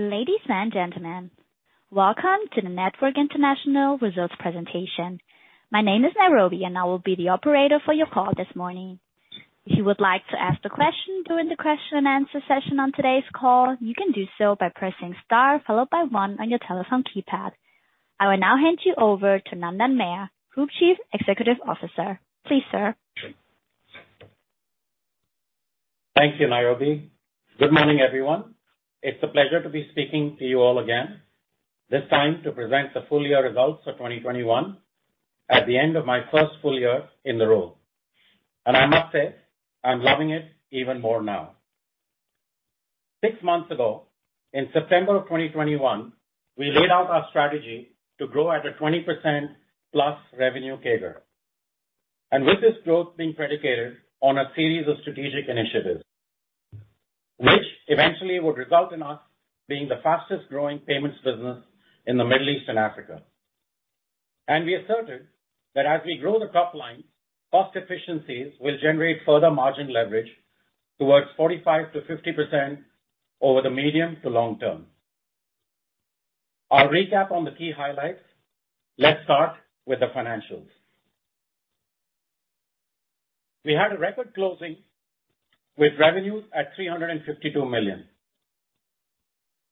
Ladies and gentlemen, welcome to the Network International Results Presentation. My name is Nairobi, and I will be the operator for your call this morning. If you would like to ask the question during the question answer session on today's call, you can do so by pressing star followed by one on your telephone keypad. I will now hand you over to Nandan Mer, Group Chief Executive Officer. Please, sir. Thank you, Nairobi. Good morning, everyone. It's a pleasure to be speaking to you all again, this time to present the Full Year Results For 2021 at the end of my first full year in the role. I must say, I'm loving it even more now. Six months ago, in September 2021, we laid out our strategy to grow at a 20%+ revenue CAGR. With this growth being predicated on a series of strategic initiatives, which eventually would result in us being the fastest growing payments business in the Middle East and Africa. We asserted that as we grow the top line, cost efficiencies will generate further margin leverage towards 45%-50% over the medium-to long-term. I'll recap on the key highlights. Let's start with the financials. We had a record closing with revenues at $352 million.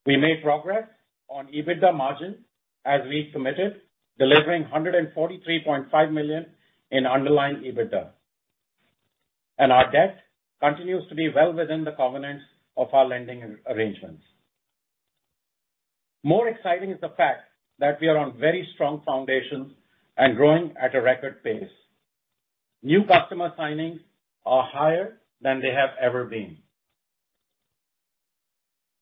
We made progress on EBITDA margins as we committed, delivering $143.5 million in underlying EBITDA. Our debt continues to be well within the covenants of our lending arrangements. More exciting is the fact that we are on very strong foundations and growing at a record pace. New customer signings are higher than they have ever been.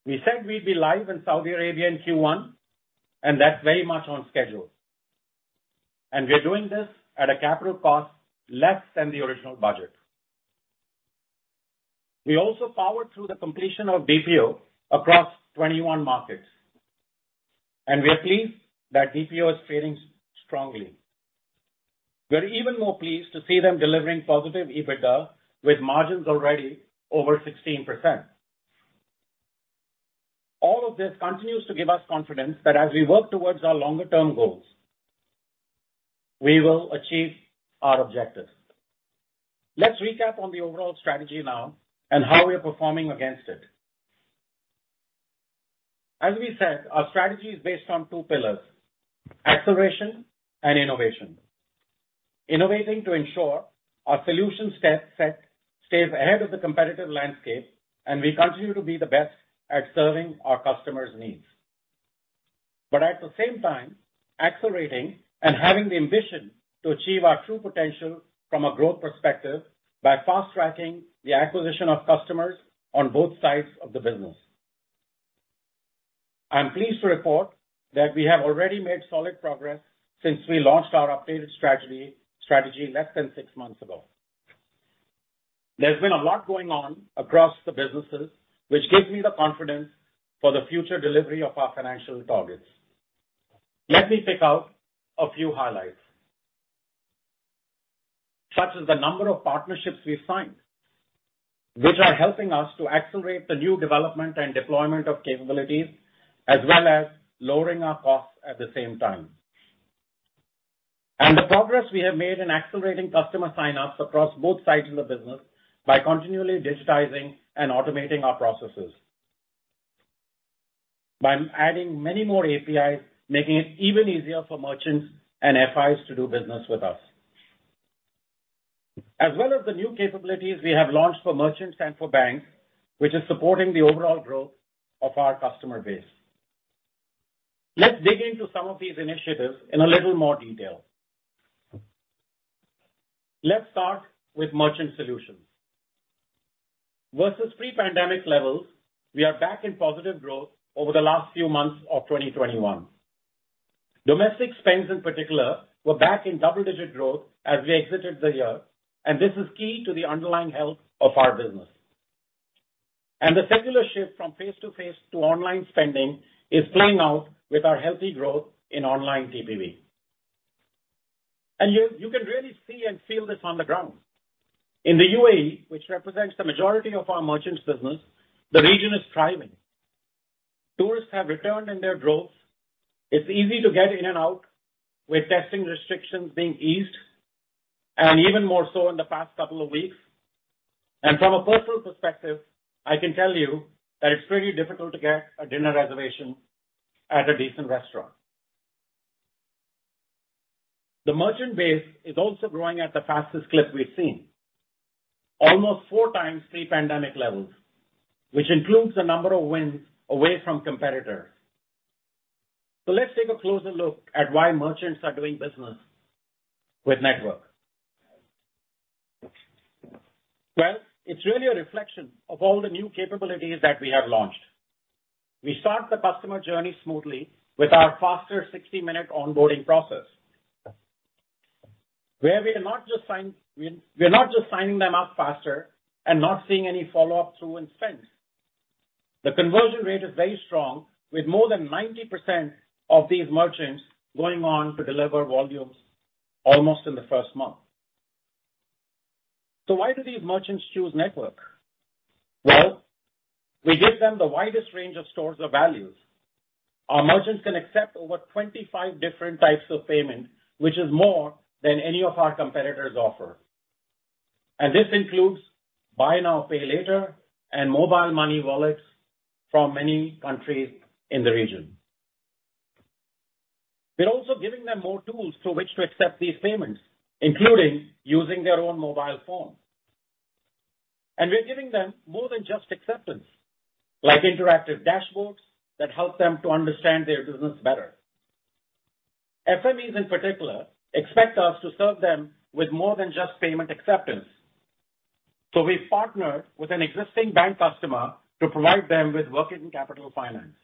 We said we'd be live in Saudi Arabia in Q1, and that's very much on schedule. We're doing this at a capital cost less than the original budget. We also powered through the completion of DPO across 21 markets, and we are pleased that DPO is trading strongly. We're even more pleased to see them delivering positive EBITDA with margins already over 16%. All of this continues to give us confidence that as we work towards our longer-term goals, we will achieve our objectives. Let's recap on the overall strategy now and how we are performing against it. As we said, our strategy is based on two pillars, acceleration and innovation. Innovating to ensure our solution set stays ahead of the competitive landscape, and we continue to be the best at serving our customers' needs. At the same time, accelerating and having the ambition to achieve our true potential from a growth perspective by fast-tracking the acquisition of customers on both sides of the business. I'm pleased to report that we have already made solid progress since we launched our updated strategy less than six months ago. There's been a lot going on across the businesses which gives me the confidence for the future delivery of our financial targets. Let me pick out a few highlights, such as the number of partnerships we've signed, which are helping us to accelerate the new development and deployment of capabilities, as well as lowering our costs at the same time. The progress we have made in accelerating customer sign-ups across both sides of the business by continually digitizing and automating our processes, by adding many more APIs, making it even easier for merchants and FIs to do business with us. As well as the new capabilities we have launched for merchants and for banks, which is supporting the overall growth of our customer base. Let's dig into some of these initiatives in a little more detail. Let's start with Merchant Solutions. Versus pre-pandemic levels, we are back in positive growth over the last few months of 2021. Domestic spends in particular were back in double-digit growth as we exited the year, and this is key to the underlying health of our business. The secular shift from face-to-face to online spending is playing out with our healthy growth in online GPV. You can really see and feel this on the ground. In the UAE, which represents the majority of our merchants business, the region is thriving. Tourists have returned in their droves. It's easy to get in and out with testing restrictions being eased, and even more so in the past couple of weeks. From a personal perspective, I can tell you that it's pretty difficult to get a dinner reservation at a decent restaurant. The merchant base is also growing at the fastest clip we've seen, almost four times pre-pandemic levels, which includes the number of wins away from competitors. Let's take a closer look at why merchants are doing business with Network. Well, it's really a reflection of all the new capabilities that we have launched. We start the customer journey smoothly with our faster 60-minute onboarding process, where we're not just signing them up faster and not seeing any follow-up through and spends. The conversion rate is very strong with more than 90% of these merchants going on to deliver volumes almost in the first month. Why do these merchants choose Network? Well, we give them the widest range of stores or values. Our merchants can accept over 25 different types of payment, which is more than any of our competitors offer. This includes buy now, pay later, and mobile money wallets from many countries in the region. We're also giving them more tools through which to accept these payments, including using their own mobile phone. We're giving them more than just acceptance, like interactive dashboards that help them to understand their business better. SMEs in particular expect us to serve them with more than just payment acceptance. We've partnered with an existing bank customer to provide them with working capital finance.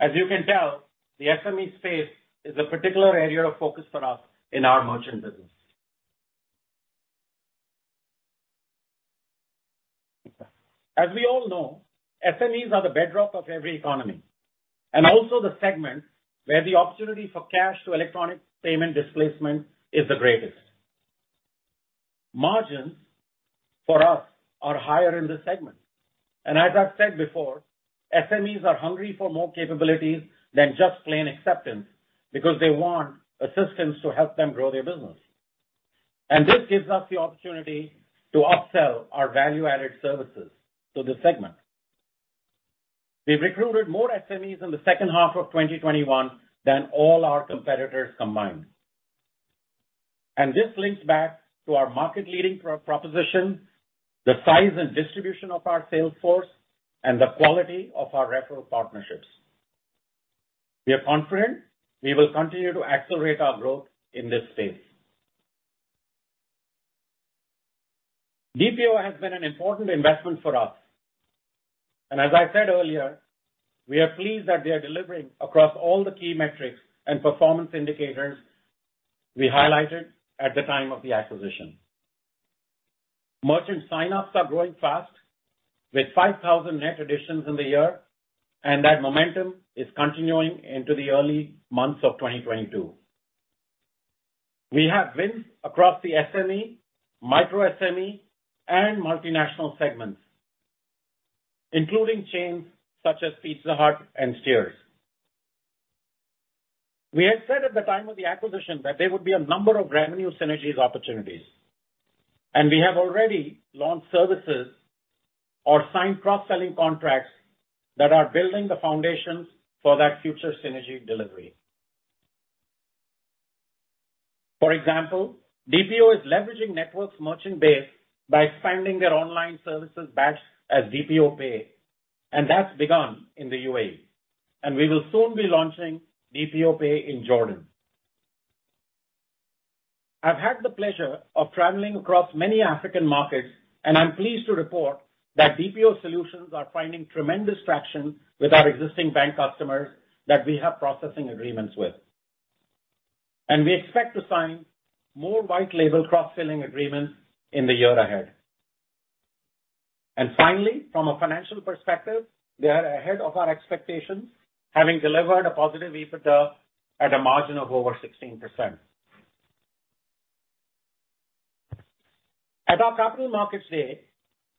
As you can tell, the SME space is a particular area of focus for us in our merchant business. As we all know, SMEs are the bedrock of every economy, and also the segment where the opportunity for cash to electronic payment displacement is the greatest. Margins for us are higher in this segment. As I've said before, SMEs are hungry for more capabilities than just plain acceptance because they want assistance to help them grow their business. This gives us the opportunity to upsell our value-added services to the segment. We've recruited more SMEs in the second half of 2021 than all our competitors combined. This links back to our market-leading proposition, the size and distribution of our sales force, and the quality of our referral partnerships. We are confident we will continue to accelerate our growth in this space. DPO has been an important investment for us, and as I said earlier, we are pleased that we are delivering across all the key metrics and performance indicators we highlighted at the time of the acquisition. Merchant sign-ups are growing fast with 5,000 net additions in the year, and that momentum is continuing into the early months of 2022. We have wins across the SME, micro SME, and multinational segments, including chains such as Pizza Hut and Steers. We had said at the time of the acquisition that there would be a number of revenue synergies opportunities, and we have already launched services or signed cross-selling contracts that are building the foundations for that future synergy delivery. For example, DPO is leveraging Network's merchant base by expanding their online services batch as DPO Pay, and that's begun in the UAE. We will soon be launching DPO Pay in Jordan. I've had the pleasure of traveling across many African markets, and I'm pleased to report that DPO solutions are finding tremendous traction with our existing bank customers that we have processing agreements with. We expect to sign more white label cross-selling agreements in the year ahead. Finally, from a financial perspective, they are ahead of our expectations, having delivered a positive EBITDA at a margin of over 16%. At our Capital Markets Day,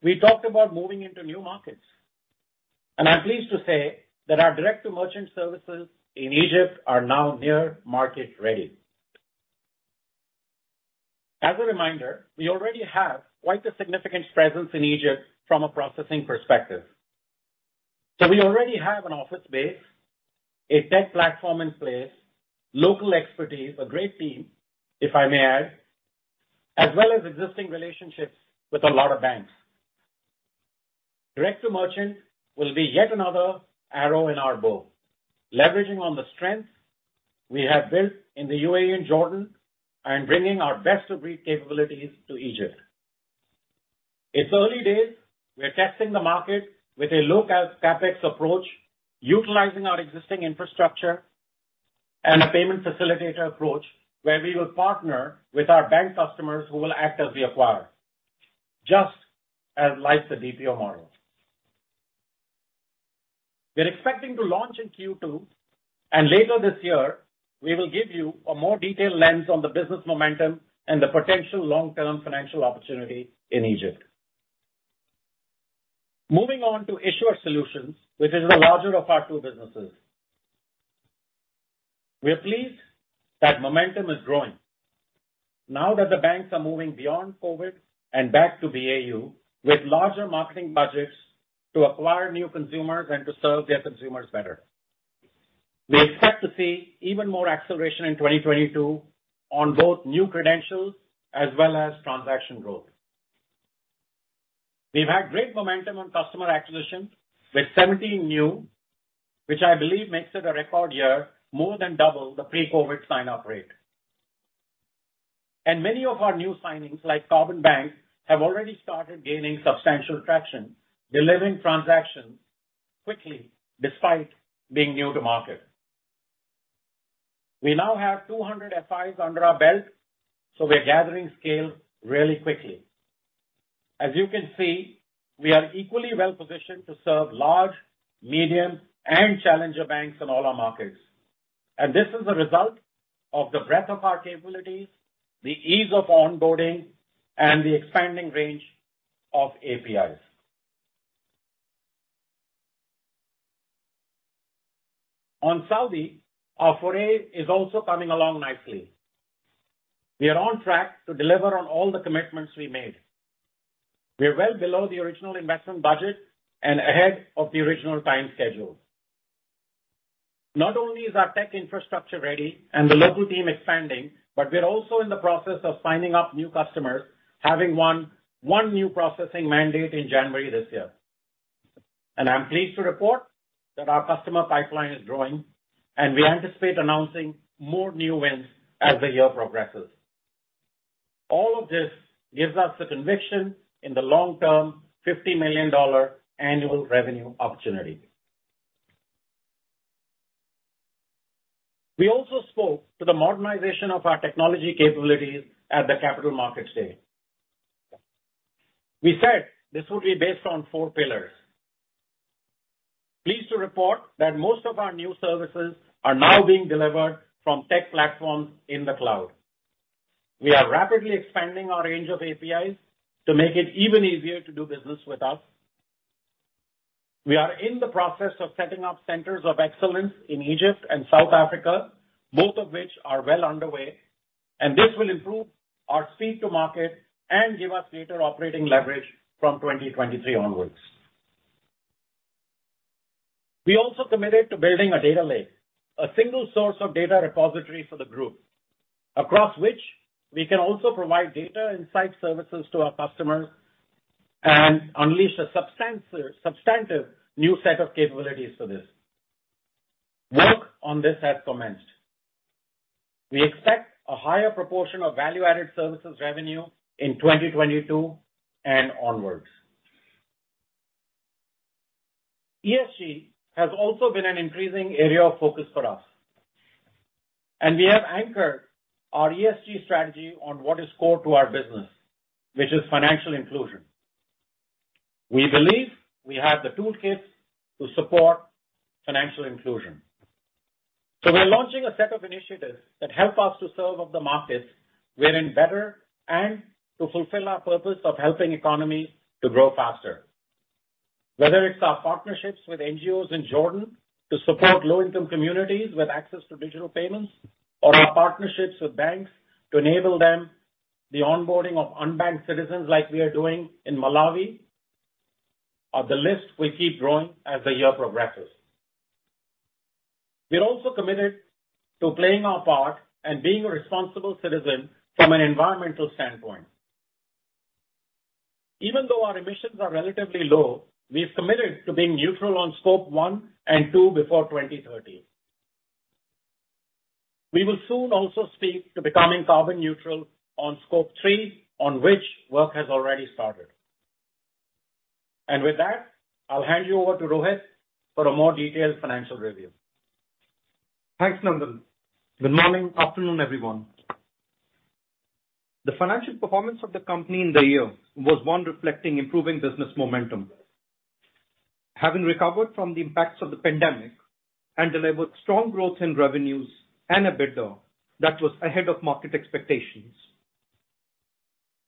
we talked about moving into new markets, and I'm pleased to say that our direct-to-merchant services in Egypt are now near market-ready. As a reminder, we already have quite a significant presence in Egypt from a processing perspective. We already have an office base, a tech platform in place, local expertise, a great team, if I may add, as well as existing relationships with a lot of banks. Direct to merchant will be yet another arrow in our bow, leveraging on the strengths we have built in the UAE and Jordan and bringing our best-of-breed capabilities to Egypt. It's early days. We're testing the market with a low CapEx approach, utilizing our existing infrastructure and a payment facilitator approach where we will partner with our bank customers who will act as the acquirer, just like the DPO model. We're expecting to launch in Q2, and later this year, we will give you a more detailed lens on the business momentum and the potential long-term financial opportunity in Egypt. Moving on to Issuer Solutions, which is the larger of our two businesses. We are pleased that momentum is growing now that the banks are moving beyond COVID and back to BAU with larger marketing budgets to acquire new consumers and to serve their consumers better. We expect to see even more acceleration in 2022 on both new credentials as well as transaction growth. We've had great momentum on customer acquisition with 17 new, which I believe makes it a record year, more than double the pre-COVID sign-up rate. Many of our new signings, like Carbon Bank, have already started gaining substantial traction, delivering transactions quickly despite being new to market. We now have 200 FIs under our belt, so we're gathering scale really quickly. As you can see, we are equally well-positioned to serve large, medium, and challenger banks in all our markets. This is a result of the breadth of our capabilities, the ease of onboarding, and the expanding range of APIs. On Saudi, our foray is also coming along nicely. We are on track to deliver on all the commitments we made. We are well below the original investment budget and ahead of the original time schedule. Not only is our tech infrastructure ready and the local team expanding, but we're also in the process of signing up new customers, having won one new processing mandate in January this year. I'm pleased to report that our customer pipeline is growing, and we anticipate announcing more new wins as the year progresses. All of this gives us the conviction in the long-term $50 million annual revenue opportunity. We also spoke to the modernization of our technology capabilities at the Capital Markets Day. We said this would be based on four pillars. Pleased to report that most of our new services are now being delivered from tech platforms in the cloud. We are rapidly expanding our range of APIs to make it even easier to do business with us. We are in the process of setting up centers of excellence in Egypt and South Africa, both of which are well underway, and this will improve our speed to market and give us greater operating leverage from 2023 onwards. We also committed to building a data lake, a single source of data repository for the group, across which we can also provide data insight services to our customers and unleash a substantive new set of capabilities for this. Work on this has commenced. We expect a higher proportion of value-added services revenue in 2022 and onwards. ESG has also been an increasing area of focus for us, and we have anchored our ESG strategy on what is core to our business, which is financial inclusion. We believe we have the toolkits to support financial inclusion. We're launching a set of initiatives that help us to serve the markets where we can better and to fulfill our purpose of helping economies to grow faster. Whether it's our partnerships with NGOs in Jordan to support low-income communities with access to digital payments or our partnerships with banks to enable them the onboarding of unbanked citizens like we are doing in Malawi, the list will keep growing as the year progresses. We're also committed to playing our part and being a responsible citizen from an environmental standpoint. Even though our emissions are relatively low, we have committed to being neutral on Scope 1 and 2 before 2030. We will soon also seek to becoming carbon neutral on Scope 3, on which work has already started. With that, I'll hand you over to Rohit for a more detailed financial review. Thanks, Nandan. Good morning, afternoon, everyone. The financial performance of the company in the year was one reflecting improving business momentum, having recovered from the impacts of the pandemic and delivered strong growth in revenues and EBITDA that was ahead of market expectations.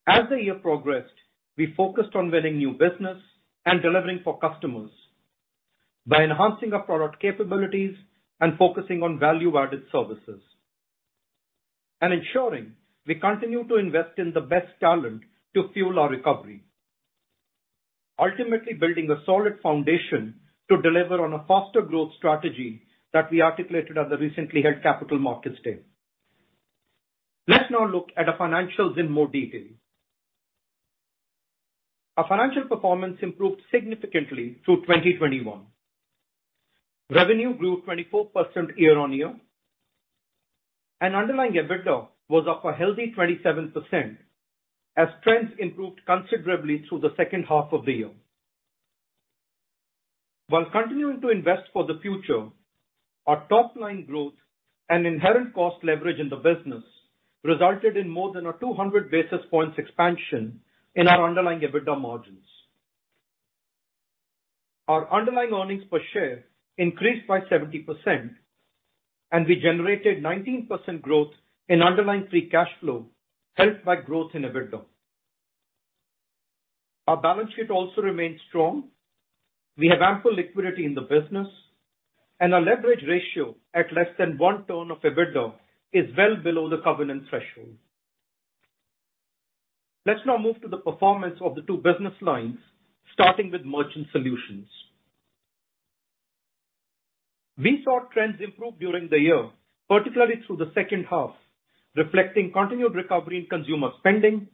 As the year progressed, we focused on winning new business and delivering for customers by enhancing our product capabilities and focusing on value-added services, and ensuring we continue to invest in the best talent to fuel our recovery. Ultimately building a solid foundation to deliver on a faster growth strategy that we articulated at the recently held Capital Markets Day. Let's now look at the financials in more detail. Our financial performance improved significantly through 2021. Revenue grew 24% year-on-year, and underlying EBITDA was up a healthy 27% as trends improved considerably through the second half of the year. While continuing to invest for the future, our top-line growth and inherent cost leverage in the business resulted in more than 200 basis points expansion in our underlying EBITDA margins. Our underlying earnings per share increased by 70%, and we generated 19% growth in underlying free cash flow, helped by growth in EBITDA. Our balance sheet also remains strong. We have ample liquidity in the business and our leverage ratio at less than 1x EBITDA is well below the covenant threshold. Let's now move to the performance of the two business lines, starting with Merchant Solutions. We saw trends improve during the year, particularly through the second half, reflecting continued recovery in consumer spending,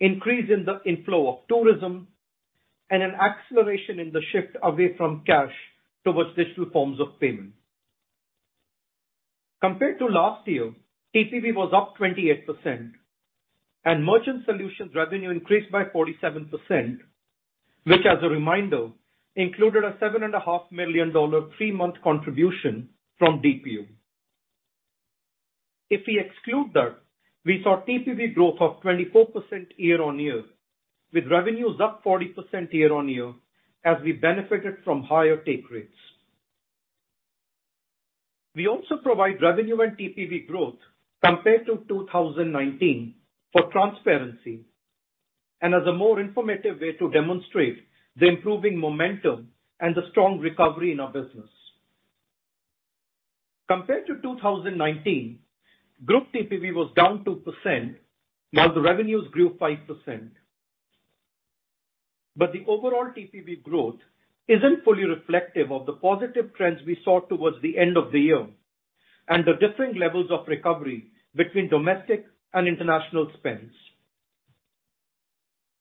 increase in the inflow of tourism, and an acceleration in the shift away from cash towards digital forms of payment. Compared to last year, TPV was up 28% and Merchant Solutions revenue increased by 47%, which as a reminder, included a $7.5 million three-month contribution from DPO. If we exclude that, we saw TPV growth of 24% year-on-year, with revenues up 40% year-on-year as we benefited from higher take rates. We also provide revenue and TPV growth compared to 2019 for transparency and as a more informative way to demonstrate the improving momentum and the strong recovery in our business. Compared to 2019, group TPV was down 2% while the revenues grew 5%. The overall TPV growth isn't fully reflective of the positive trends we saw towards the end of the year and the different levels of recovery between domestic and international spends.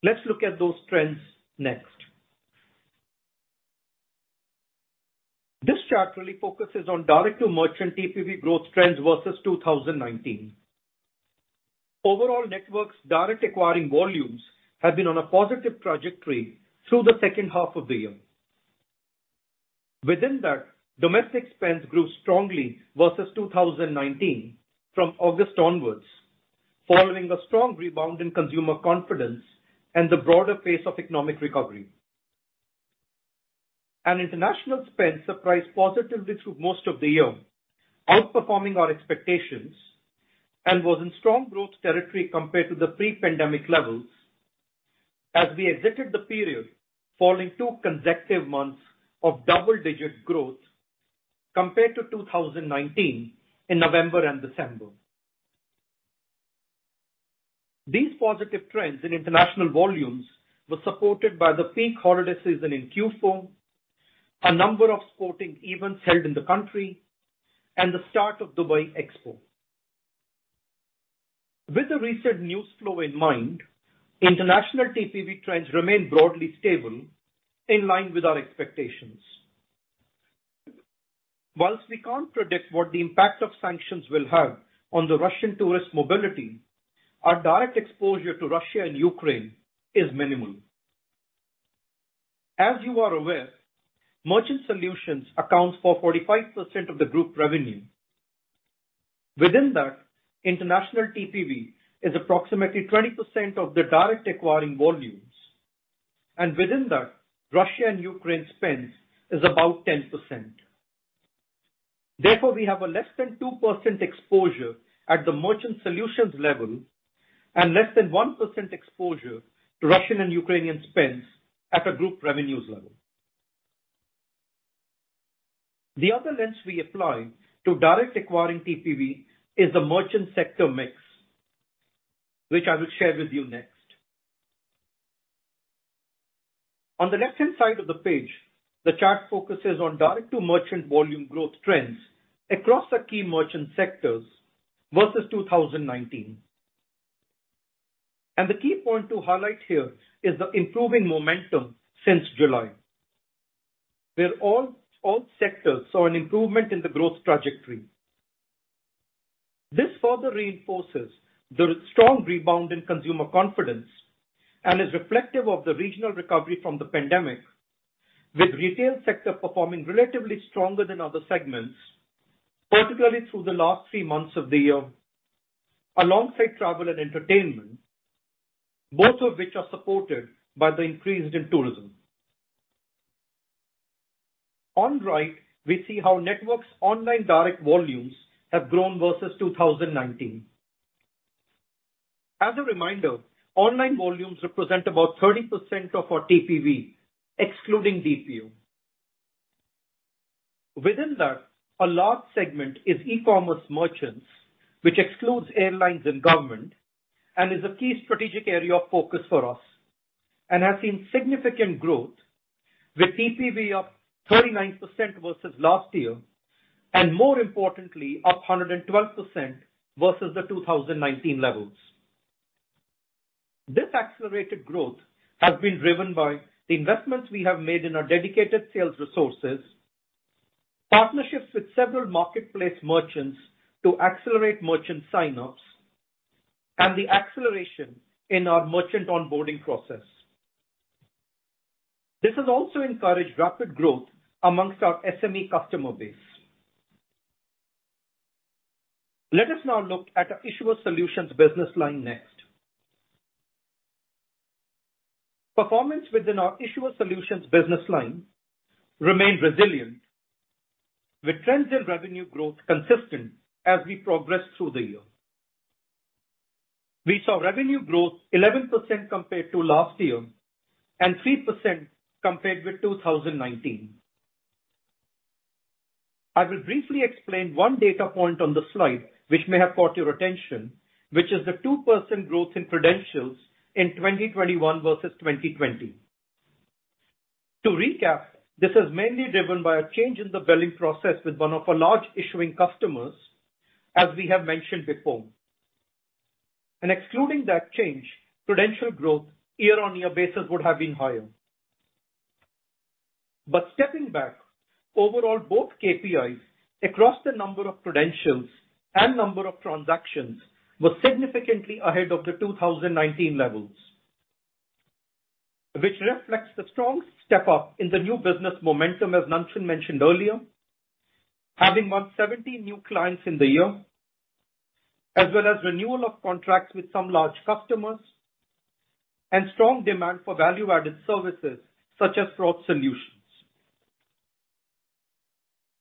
Let's look at those trends next. This chart really focuses on direct-to-merchant TPV growth trends versus 2019. Overall, Network's direct acquiring volumes have been on a positive trajectory through the second half of the year. Within that, domestic spends grew strongly versus 2019 from August onwards, following a strong rebound in consumer confidence and the broader pace of economic recovery. International spend surprised positively through most of the year, outperforming our expectations and was in strong growth territory compared to the pre-pandemic levels as we exited the period following two consecutive months of double-digit growth compared to 2019 in November and December. These positive trends in international volumes were supported by the peak holiday season in Q4, a number of sporting events held in the country, and the start of Dubai Expo. With the recent news flow in mind, international TPV trends remain broadly stable in line with our expectations. While we can't predict what the impact of sanctions will have on the Russian tourist mobility, our direct exposure to Russia and Ukraine is minimal. As you are aware, Merchant Solutions accounts for 45% of the group revenue. Within that, international TPV is approximately 20% of the direct acquiring volumes, and within that, Russia and Ukraine spends is about 10%. Therefore, we have a less than 2% exposure at the Merchant Solutions level and less than 1% exposure to Russian and Ukrainian spends at a group revenues level. The other lens we apply to direct acquiring TPV is the merchant sector mix, which I will share with you next. On the left-hand side of the page, the chart focuses on direct-to-merchant volume growth trends across the key merchant sectors versus 2019. The key point to highlight here is the improving momentum since July, where all sectors saw an improvement in the growth trajectory. This further reinforces the strong rebound in consumer confidence and is reflective of the regional recovery from the pandemic, with retail sector performing relatively stronger than other segments, particularly through the last three months of the year, alongside travel and entertainment, both of which are supported by the increase in tourism. On the right, we see how Network's online direct volumes have grown versus 2019. As a reminder, online volumes represent about 30% of our TPV, excluding DPO. Within that, a large segment is e-commerce merchants, which excludes airlines and government, and is a key strategic area of focus for us and has seen significant growth with TPV up 39% versus last year, and more importantly, up 112% versus the 2019 levels. This accelerated growth has been driven by the investments we have made in our dedicated sales resources, partnerships with several marketplace merchants to accelerate merchant sign-ups, and the acceleration in our merchant onboarding process. This has also encouraged rapid growth among our SME customer base. Let us now look at our Issuer Solutions business line next. Performance within our Issuer Solutions business line remained resilient with trends in revenue growth consistent as we progress through the year. We saw revenue growth 11% compared to last year, and 3% compared with 2019. I will briefly explain one data point on the slide which may have caught your attention, which is the 2% growth in credentials in 2021 versus 2020. To recap, this is mainly driven by a change in the billing process with one of our large issuing customers, as we have mentioned before. Excluding that change, credential growth year-on-year basis would have been higher. Stepping back, overall, both KPIs across the number of credentials and number of transactions were significantly ahead of the 2019 levels, which reflects the strong step up in the new business momentum, as Nandan mentioned earlier, having won 17 new clients in the year, as well as renewal of contracts with some large customers and strong demand for value-added services such as fraud solutions.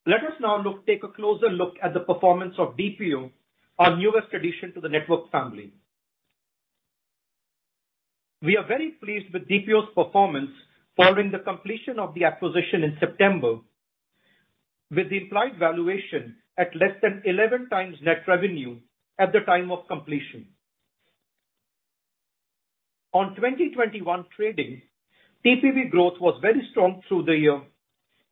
Let us now look. Take a closer look at the performance of DPO, our newest addition to the Network family. We are very pleased with DPO's performance following the completion of the acquisition in September, with the implied valuation at less than 11x net revenue at the time of completion. On 2021 trading, TPV growth was very strong through the year,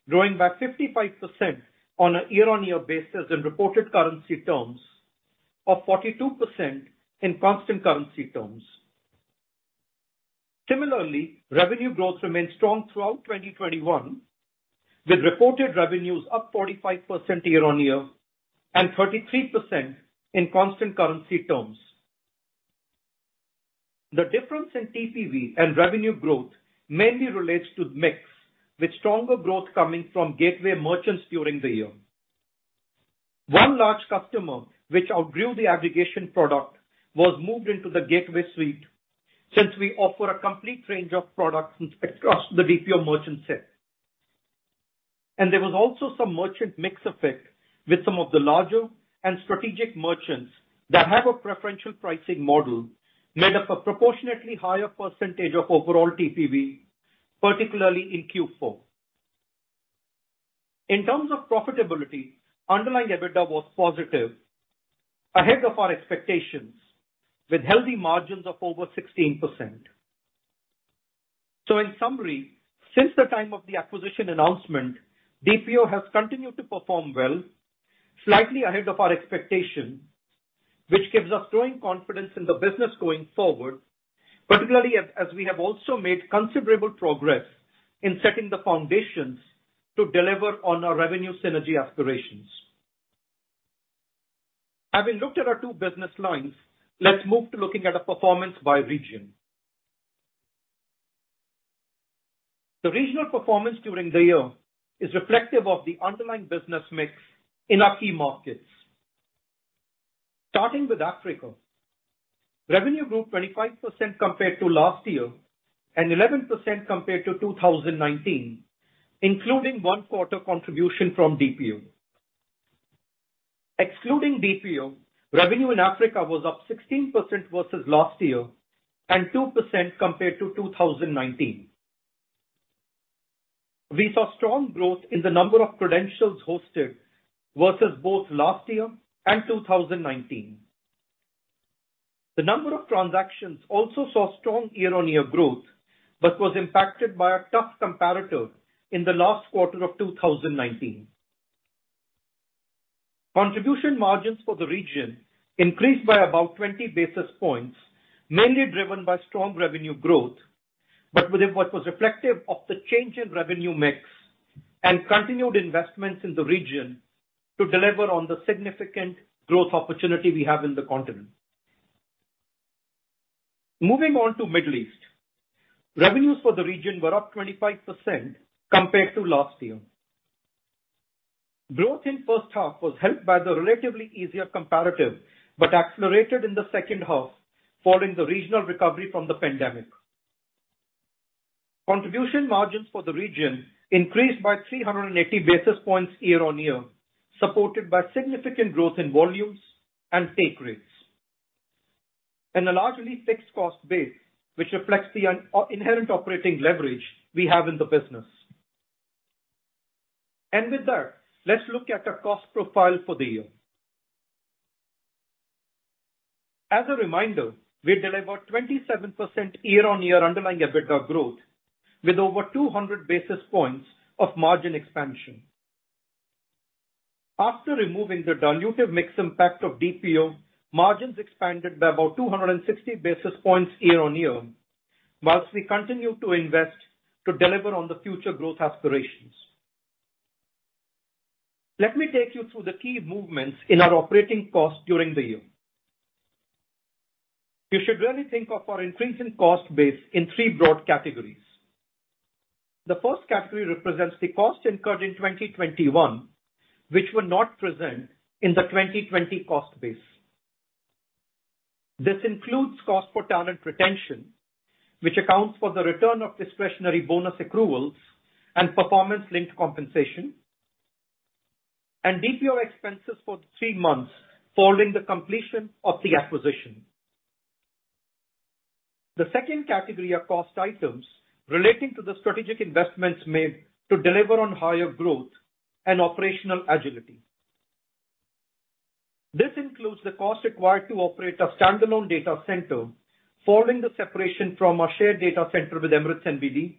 growing by 55% on a year-on-year basis in reported currency terms, or 42% in constant currency terms. Similarly, revenue growth remained strong throughout 2021, with reported revenues up 45% year-on-year and 33% in constant currency terms. The difference in TPV and revenue growth mainly relates to mix, with stronger growth coming from gateway merchants during the year. One large customer which outgrew the aggregation product was moved into the gateway suite since we offer a complete range of products across the DPO merchant set. There was also some merchant mix effect with some of the larger and strategic merchants that have a preferential pricing model made up a proportionately higher percentage of overall TPV, particularly in Q4. In terms of profitability, underlying EBITDA was positive, ahead of our expectations, with healthy margins of over 16%. In summary, since the time of the acquisition announcement, DPO has continued to perform well, slightly ahead of our expectation, which gives us growing confidence in the business going forward, particularly as we have also made considerable progress in setting the foundations to deliver on our revenue synergy aspirations. Having looked at our two business lines, let's move to looking at our performance by region. The regional performance during the year is reflective of the underlying business mix in our key markets. Starting with Africa, revenue grew 25% compared to last year and 11% compared to 2019, including one quarter contribution from DPO. Excluding DPO, revenue in Africa was up 16% versus last year and 2% compared to 2019. We saw strong growth in the number of credentials hosted versus both last year and 2019. The number of transactions also saw strong year-on-year growth, but was impacted by a tough comparator in the last quarter of 2019. Contribution margins for the region increased by about 20 basis points, mainly driven by strong revenue growth, but with what was reflective of the change in revenue mix and continued investments in the region to deliver on the significant growth opportunity we have in the continent. Moving on to Middle East. Revenues for the region were up 25% compared to last year. Growth in first half was helped by the relatively easier comparative, but accelerated in the second half following the regional recovery from the pandemic. Contribution margins for the region increased by 380 basis points year-on-year, supported by significant growth in volumes and take rates. A largely fixed cost base, which reflects the inherent operating leverage we have in the business. With that, let's look at our cost profile for the year. As a reminder, we delivered 27% year-on-year underlying EBITDA growth with over 200 basis points of margin expansion. After removing the dilutive mix impact of DPO, margins expanded by about 260 basis points year-on-year while we continue to invest to deliver on the future growth aspirations. Let me take you through the key movements in our operating costs during the year. You should really think of our increasing cost base in three broad categories. The first category represents the costs incurred in 2021 which were not present in the 2020 cost base. This includes costs for talent retention, which accounts for the return of discretionary bonus accruals and performance-linked compensation, and DPO expenses for the three months following the completion of the acquisition. The second category are cost items relating to the strategic investments made to deliver on higher growth and operational agility. This includes the cost required to operate a standalone data center following the separation from our shared data center with Emirates NBD,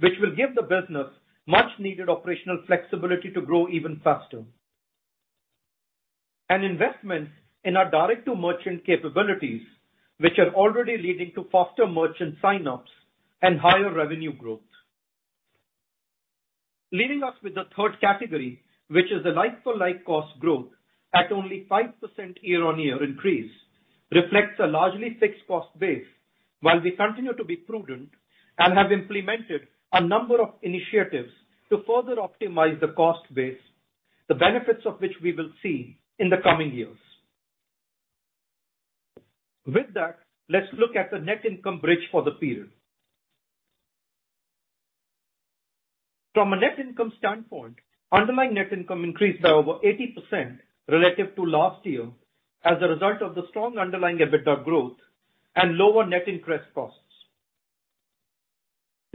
which will give the business much-needed operational flexibility to grow even faster. Investments in our direct-to-merchant capabilities, which are already leading to faster merchant sign-ups and higher revenue growth. Leaving us with the third category, which is the like for like cost growth at only 5% year-on-year increase reflects a largely fixed cost base, while we continue to be prudent and have implemented a number of initiatives to further optimize the cost base, the benefits of which we will see in the coming years. With that, let's look at the net income bridge for the period. From a net income standpoint, underlying net income increased by over 80% relative to last year as a result of the strong underlying EBITDA growth and lower net interest costs.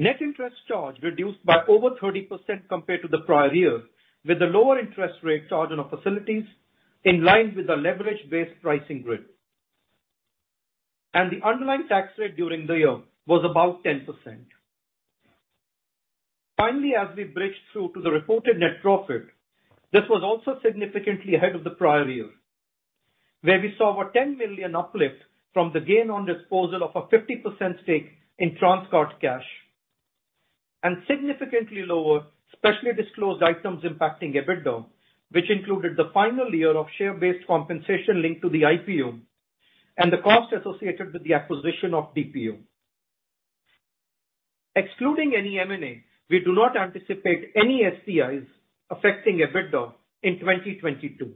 Net interest charge reduced by over 30% compared to the prior-year with the lower interest rate charge on our facilities in line with the leverage-based pricing grid. The underlying tax rate during the year was about 10%. Finally, as we bridge through to the reported net profit, this was also significantly ahead of the prior-year, where we saw over $10 million uplift from the gain on disposal of a 50% stake in Transguard Cash, and significantly lower specially disclosed items impacting EBITDA, which included the final year of share-based compensation linked to the IPO and the cost associated with the acquisition of DPO. Excluding any M&A, we do not anticipate any SDIs affecting EBITDA in 2022.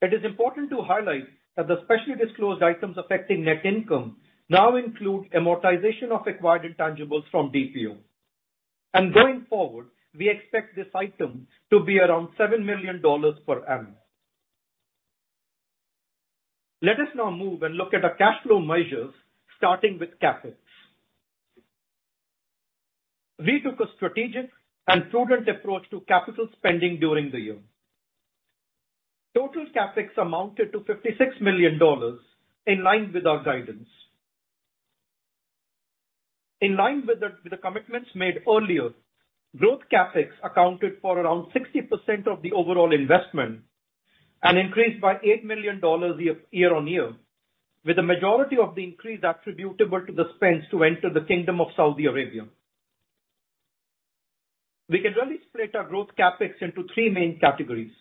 It is important to highlight that the specially disclosed items affecting net income now include amortization of acquired intangibles from DPO. Going forward, we expect this item to be around $7 million per annum. Let us now move and look at our cash flow measures starting with CapEx. We took a strategic and prudent approach to capital spending during the year. Total CapEx amounted to $56 million in line with our guidance. In line with the commitments made earlier, growth CapEx accounted for around 60% of the overall investment and increased by $8 million year-on-year, with the majority of the increase attributable to the spends to enter the Kingdom of Saudi Arabia. We can really split our growth CapEx into three main categories.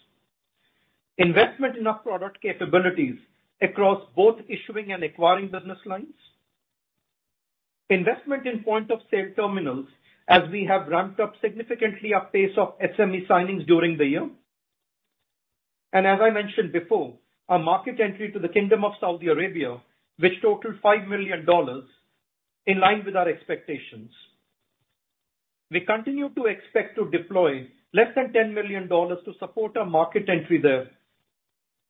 Investment in our product capabilities across both issuing and acquiring business lines. Investment in point of sale terminals as we have ramped up significantly our pace of SME signings during the year. As I mentioned before, our market entry to the Kingdom of Saudi Arabia, which totaled $5 million in line with our expectations. We continue to expect to deploy less than $10 million to support our market entry there,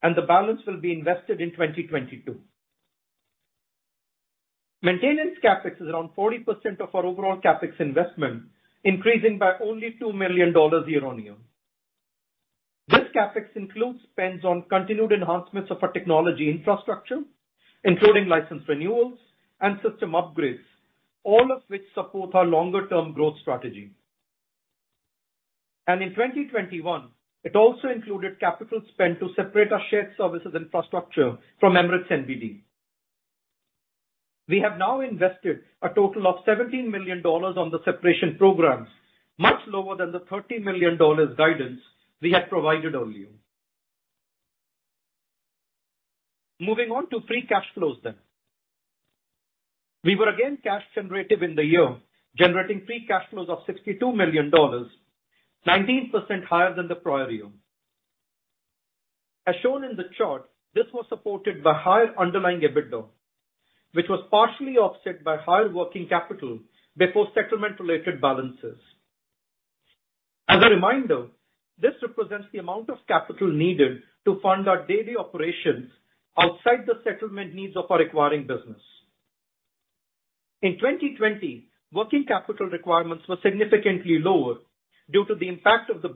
and the balance will be invested in 2022. Maintenance CapEx is around 40% of our overall CapEx investment, increasing by only $2 million year-on-year. This CapEx includes spends on continued enhancements of our technology infrastructure, including license renewals and system upgrades, all of which support our longer-term growth strategy. In 2021, it also included capital spend to separate our shared services infrastructure from Emirates NBD. We have now invested a total of $17 million on the separation programs, much lower than the $30 million guidance we had provided earlier. Moving on to free cash flows then. We were again cash generative in the year, generating free cash flows of $62 million, 19% higher than the prior-year. As shown in the chart, this was supported by higher underlying EBITDA, which was partially offset by higher working capital before settlement-related balances. As a reminder, this represents the amount of capital needed to fund our daily operations outside the settlement needs of our acquiring business. In 2020, working capital requirements were significantly lower due to the impact of the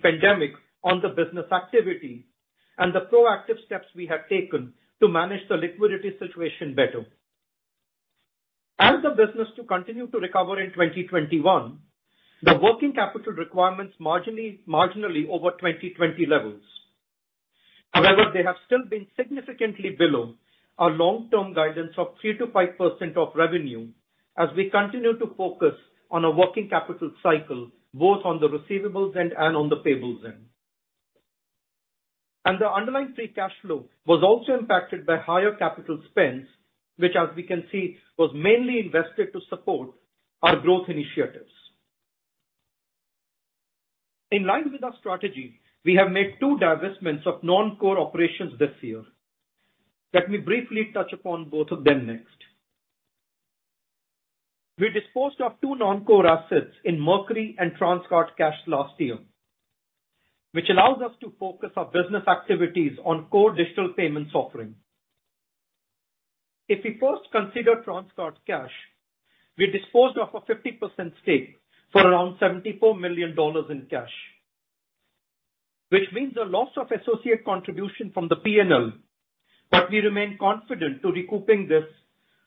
pandemic on the business activity and the proactive steps we have taken to manage the liquidity situation better. As the business to continue to recover in 2021, the working capital requirements marginally over 2020 levels. However, they have still been significantly below our long-term guidance of 3%-5% of revenue as we continue to focus on a working capital cycle, both on the receivables end and on the payables end. The underlying free cash flow was also impacted by higher capital spends, which as we can see, was mainly invested to support our growth initiatives. In line with our strategy, we have made two divestments of non-core operations this year. Let me briefly touch upon both of them next. We disposed of two non-core assets in Mercury and Transguard Cash last year, which allows us to focus our business activities on core digital payments offering. If we first consider Transguard Cash, we disposed of a 50% stake for around $74 million in cash, which means a loss of associate contribution from the P&L, but we remain confident of recouping this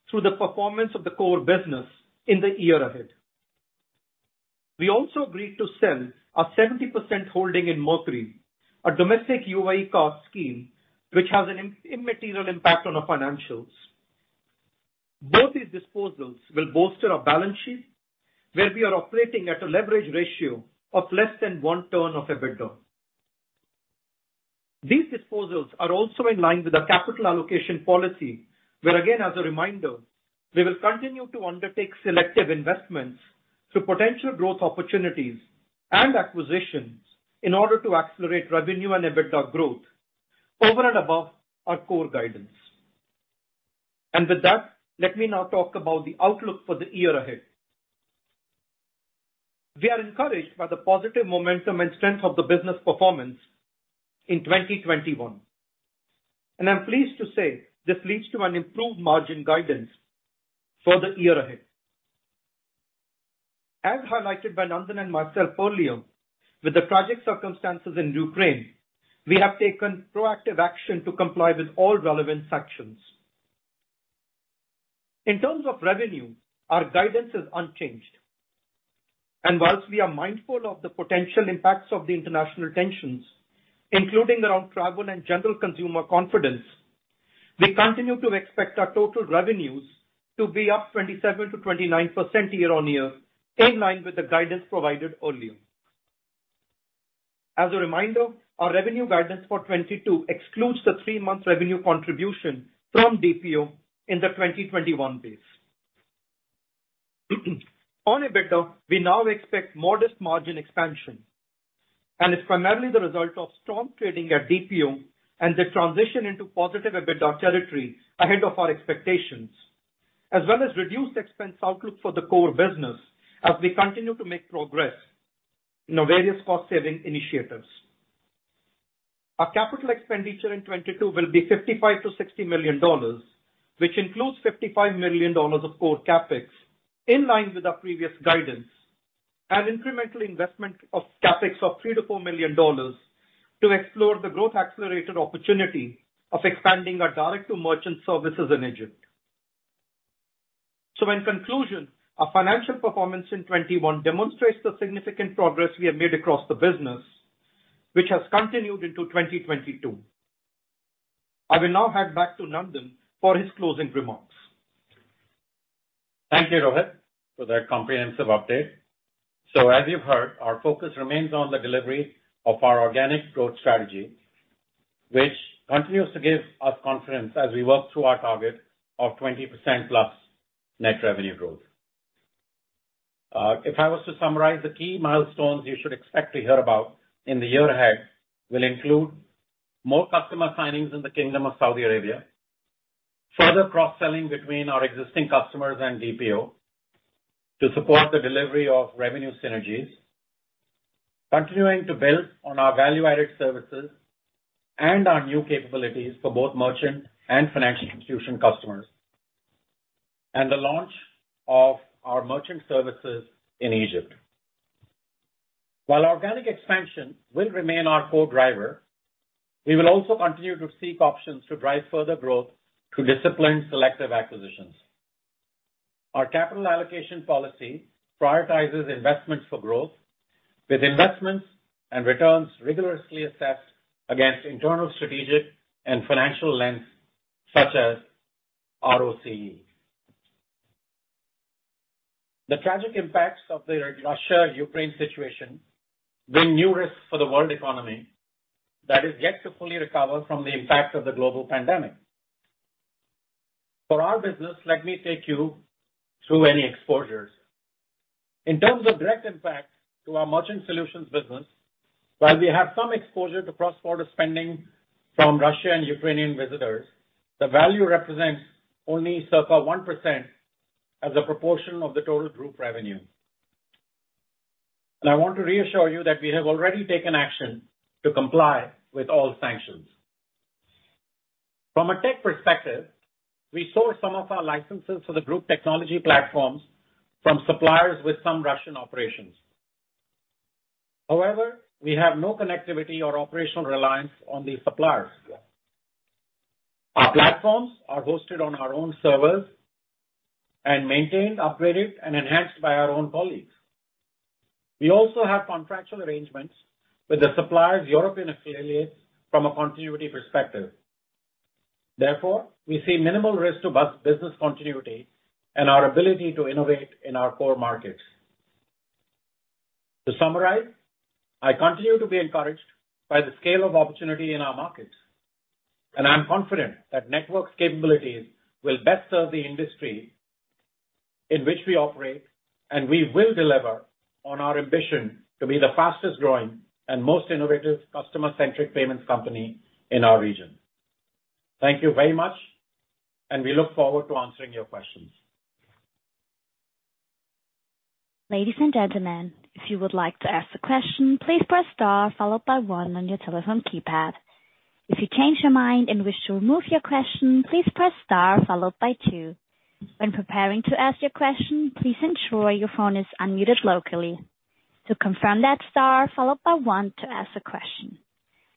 through the performance of the core business in the year ahead. We also agreed to sell a 70% holding in Mercury, a domestic UAE card scheme which has an immaterial impact on our financials. Both these disposals will bolster our balance sheet, where we are operating at a leverage ratio of less than 1x EBITDA. These disposals are also in line with our capital allocation policy, where again, as a reminder, we will continue to undertake selective investments through potential growth opportunities and acquisitions in order to accelerate revenue and EBITDA growth over and above our core guidance. With that, let me now talk about the outlook for the year ahead. We are encouraged by the positive momentum and strength of the business performance in 2021, and I'm pleased to say this leads to an improved margin guidance for the year ahead. As highlighted by Nandan and myself earlier, with the tragic circumstances in Ukraine, we have taken proactive action to comply with all relevant sanctions. In terms of revenue, our guidance is unchanged. Whilst we are mindful of the potential impacts of the international tensions, including around travel and general consumer confidence, we continue to expect our total revenues to be up 27%-29% year-on-year, in line with the guidance provided earlier. As a reminder, our revenue guidance for 2022 excludes the three-month revenue contribution from DPO in the 2021 base. On EBITDA, we now expect modest margin expansion, and it's primarily the result of strong trading at DPO and the transition into positive EBITDA territory ahead of our expectations, as well as reduced expense outlook for the core business as we continue to make progress in our various cost-saving initiatives. Our capital expenditure in 2022 will be $55-$60 million, which includes $55 million of core CapEx, in line with our previous guidance, and incremental investment of CapEx of $3-$4 million to explore the growth accelerated opportunity of expanding our direct-to-merchant services in Egypt. In conclusion, our financial performance in 2021 demonstrates the significant progress we have made across the business, which has continued into 2022. I will now hand back to Nandan for his closing remarks. Thank you, Rohit, for that comprehensive update. As you've heard, our focus remains on the delivery of our organic growth strategy, which continues to give us confidence as we work through our target of 20%+ net revenue growth. If I was to summarize the key milestones you should expect to hear about in the year ahead will include more customer signings in the Kingdom of Saudi Arabia, further cross-selling between our existing customers and DPO to support the delivery of revenue synergies, continuing to build on our value-added services and our new capabilities for both merchant and financial institution customers, and the launch of our merchant services in Egypt. While organic expansion will remain our core driver, we will also continue to seek options to drive further growth through disciplined selective acquisitions. Our capital allocation policy prioritizes investments for growth, with investments and returns rigorously assessed against internal strategic and financial lens, such as ROCE. The tragic impacts of the Russia-Ukraine situation bring new risks for the world economy that is yet to fully recover from the impact of the global pandemic. For our business, let me take you through any exposures. In terms of direct impact to our Merchant Solutions business, while we have some exposure to cross-border spending from Russia and Ukrainian visitors, the value represents only circa 1% as a proportion of the total group revenue. I want to reassure you that we have already taken action to comply with all sanctions. From a tech perspective, we source some of our licenses for the group technology platforms from suppliers with some Russian operations. However, we have no connectivity or operational reliance on these suppliers. Our platforms are hosted on our own servers and maintained, upgraded, and enhanced by our own colleagues. We also have contractual arrangements with the suppliers' European affiliates from a continuity perspective. Therefore, we see minimal risk to business continuity and our ability to innovate in our core markets. To summarize, I continue to be encouraged by the scale of opportunity in our markets, and I'm confident that Network's capabilities will best serve the industry in which we operate, and we will deliver on our ambition to be the fastest-growing and most innovative customer-centric payments company in our region. Thank you very much, and we look forward to answering your questions. Ladies and gentlemen, if you would like to ask a question, please press star followed by one on your telephone keypad. If you change your mind and wish to remove your question, please press star followed by two. When preparing to ask your question, please ensure your phone is unmuted locally. To confirm that star followed by one to ask a question.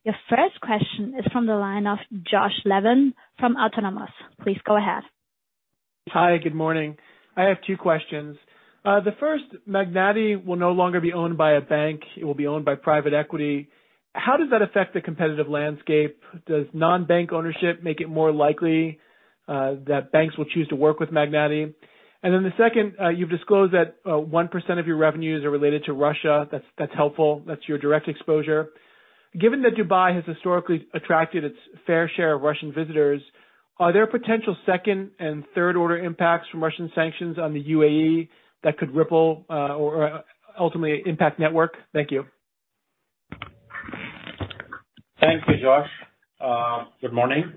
Your first question is from the line of Josh Levin from Autonomous. Please go ahead. Hi, good morning. I have two questions. The first, Magnati will no longer be owned by a bank. It will be owned by private equity. How does that affect the competitive landscape? Does non-bank ownership make it more likely that banks will choose to work with Magnati? The second, you've disclosed that 1% of your revenues are related to Russia. That's helpful. That's your direct exposure. Given that Dubai has historically attracted its fair share of Russian visitors, are there potential second- and third-order impacts from Russian sanctions on the UAE that could ripple or ultimately impact Network? Thank you. Thank you, Josh. Good morning.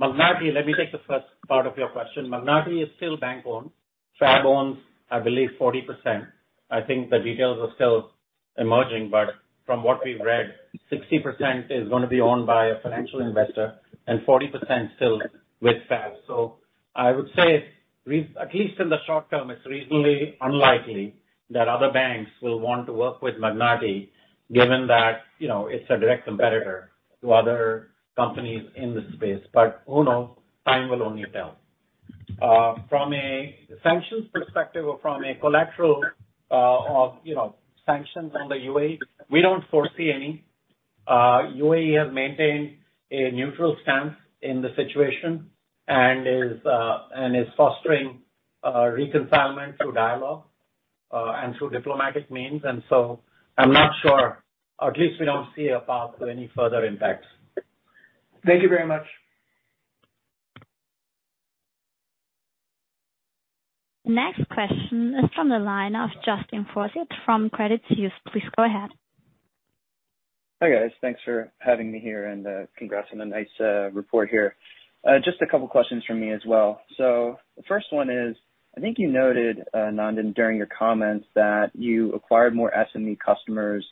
Magnati, let me take the first part of your question. Magnati is still bank-owned. FAB owns, I believe, 40%. I think the details are still emerging, but from what we've read, 60% is gonna be owned by a financial investor and 40% still with FAB. I would say at least in the short-term, it's reasonably unlikely that other banks will want to work with Magnati given that, you know, it's a direct competitor to other companies in this space. But who knows? Time will only tell. From a sanctions perspective or from a collateral, or, you know, sanctions on the UAE, we don't foresee any. UAE has maintained a neutral stance in the situation and is fostering reconciliation through dialogue and through diplomatic means, and so I'm not sure, or at least we don't see a path to any further impacts. Thank you very much. Next question is from the line of Justin Forsythe from Credit Suisse. Please go ahead. Hi, guys. Thanks for having me here and congrats on the nice report here. Just a couple questions from me as well. The first one is, I think you noted, Nandan, during your comments that you acquired more SME customers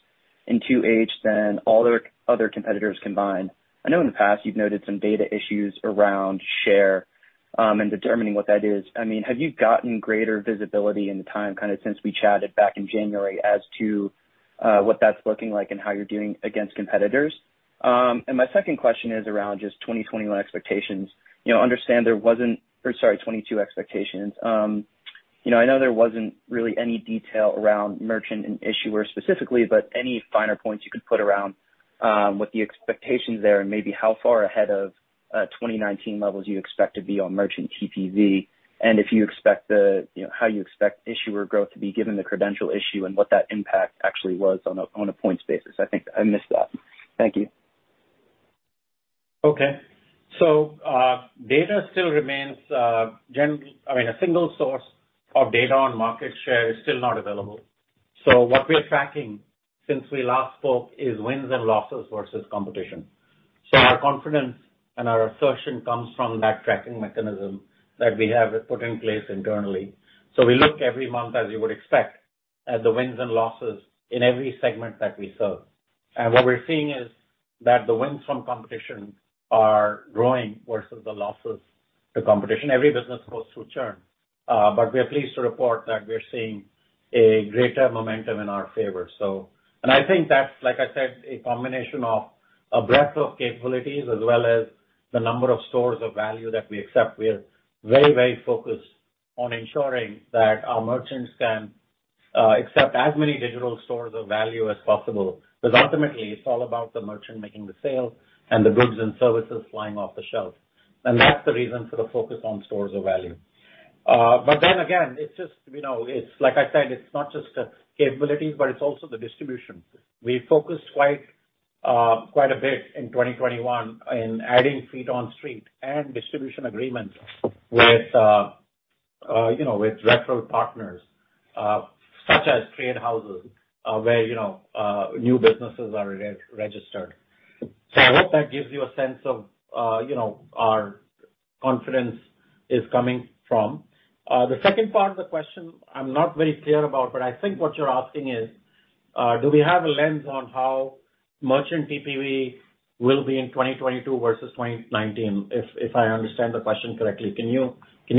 in 2H than all other competitors combined. I know in the past you've noted some data issues around share and determining what that is. I mean, have you gotten greater visibility in the time kind of since we chatted back in January as to what that's looking like and how you're doing against competitors? My second question is around just 2021 expectations. You know, I understand there wasn't. Or sorry, 2022 expectations. You know, I know there wasn't really any detail around merchant and issuer specifically, but any finer points you could put around what the expectations there and maybe how far ahead of 2019 levels you expect to be on merchant TPV. If you expect, you know, how you expect issuer growth to be given the credential issue and what that impact actually was on a points basis. I think I missed that. Thank you. Data still remains. I mean, a single source of data on market share is still not available. What we're tracking since we last spoke is wins and losses versus competition. Our confidence and our assertion comes from that tracking mechanism that we have put in place internally. We look every month, as you would expect, at the wins and losses in every segment that we serve. What we're seeing is that the wins from competition are growing versus the losses to competition. Every business goes through churn, but we are pleased to report that we are seeing a greater momentum in our favor. I think that's, like I said, a combination of a breadth of capabilities as well as the number of stores of value that we accept. We are very, very focused on ensuring that our merchants can accept as many digital stores of value as possible, because ultimately it's all about the merchant making the sale and the goods and services flying off the shelf. That's the reason for the focus on stores of value. Again, it's just, you know, it's like I said, it's not just the capabilities, but it's also the distribution. We focused quite a bit in 2021 in adding feet on street and distribution agreements with, you know, with retail partners, such as trade houses, where, you know, new businesses are registered. I hope that gives you a sense of where our confidence is coming from. The second part of the question I'm not very clear about, but I think what you're asking is, do we have a lens on how merchant TPV will be in 2022 versus 2019, if I understand the question correctly. Can you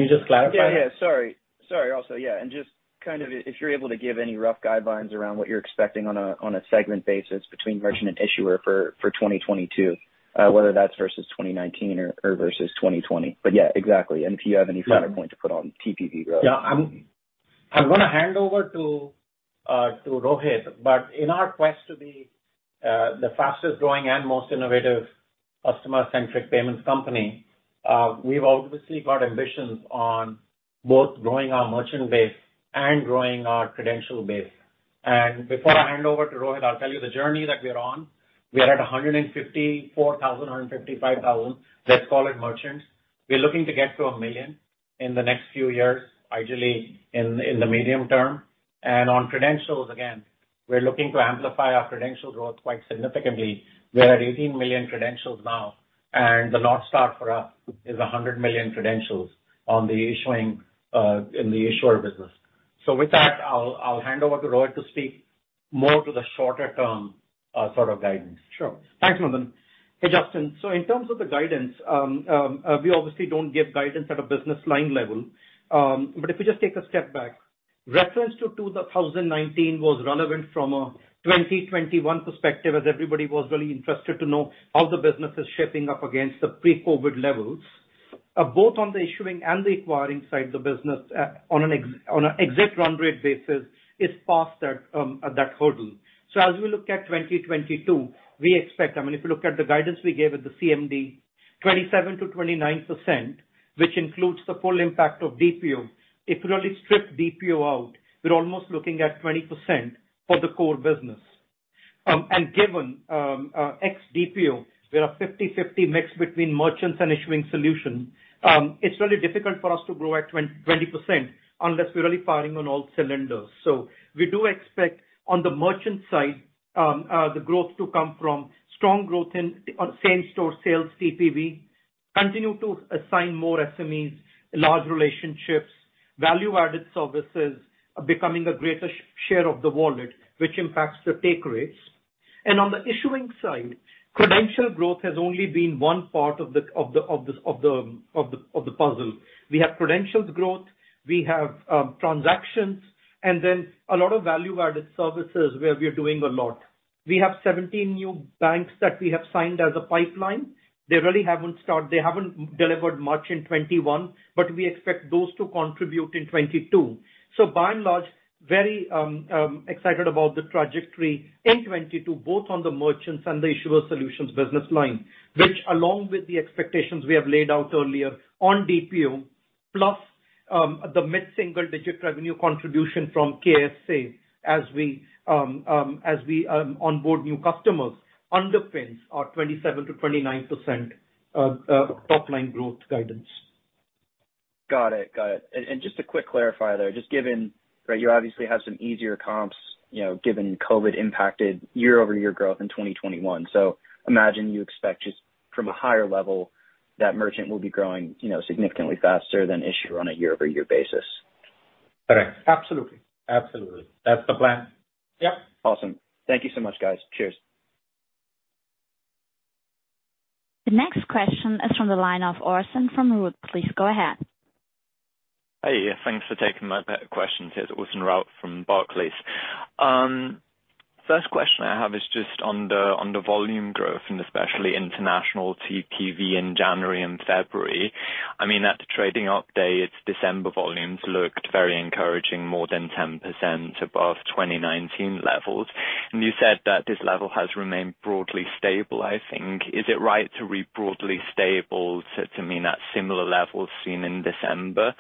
just clarify? Yeah. Sorry, also yeah. Just kind of if you're able to give any rough guidelines around what you're expecting on a segment basis between merchant and issuer for 2022, whether that's versus 2019 or versus 2020. But yeah, exactly. If you have any finer point to put on TPV growth. I'm gonna hand over to Rohit, but in our quest to be the fastest growing and most innovative customer-centric payments company, we've obviously got ambitions on both growing our merchant base and growing our credential base. Before I hand over to Rohit, I'll tell you the journey that we're on. We are at 154,000, 155,000, let's call it merchants. We're looking to get to 1 million in the next few years, ideally in the medium term. On credentials, again, we're looking to amplify our credentials growth quite significantly. We are at 18 million credentials now, and the North Star for us is 100 million credentials on the issuing in the issuer business. With that, I'll hand over to Rohit to speak more to the shorter-term, sort of guidance. Sure. Thanks, Nandan. Hey, Justin. In terms of the guidance, we obviously don't give guidance at a business line level. If you just take a step back. Reference to 2019 was relevant from a 2021 perspective, as everybody was really interested to know how the business is shaping up against the pre-COVID levels. Both on the issuing and the acquiring side of the business, on an exit run rate basis is past that hurdle. As we look at 2022, we expect. I mean, if you look at the guidance we gave at the CMD, 27%-29%, which includes the full impact of DPO. If you really strip DPO out, we're almost looking at 20% for the core business. Given ex DPO, we are 50-50 mixed between Merchant Solutions and Issuer Solutions. It's really difficult for us to grow at 20% unless we're really firing on all cylinders. We do expect on the Merchant Solutions side the growth to come from strong growth on same-store sales TPV, continue to acquire more SMEs, larger relationships, value-added services are becoming a greater share of the wallet, which impacts the take rates. On the Issuer Solutions side, credential growth has only been one part of the puzzle. We have credentials growth, we have transactions, and then a lot of value-added services where we are doing a lot. We have 17 new banks that we have signed in the pipeline. They really haven't started. They haven't delivered much in 2021, but we expect those to contribute in 2022. By and large, very excited about the trajectory in 2022, both on the Merchant Solutions and the Issuer Solutions business line, which along with the expectations we have laid out earlier on DPO, plus the mid-single-digit revenue contribution from KSA as we onboard new customers, underpins our 27%-29% top-line growth guidance. Got it. Just a quick clarify there. Just given, right, you obviously have some easier comps, you know, given COVID impacted year-over-year growth in 2021. Imagine you expect just from a higher level that merchant will be growing, you know, significantly faster than issuer on a year-over-year basis. Correct. Absolutely. That's the plan. Yep. Awesome. Thank you so much, guys. Cheers. The next question is from the line of [Orson] from Barclays. Please go ahead. Hey. Yeah, thanks for taking my questions. It's [Orson Rout] from Barclays. First question I have is just on the volume growth and especially international TPV in January and February. I mean, at the trading update, its December volumes looked very encouraging, more than 10% above 2019 levels. You said that this level has remained broadly stable, I think. Is it right to read broadly stable to mean at similar levels seen in December,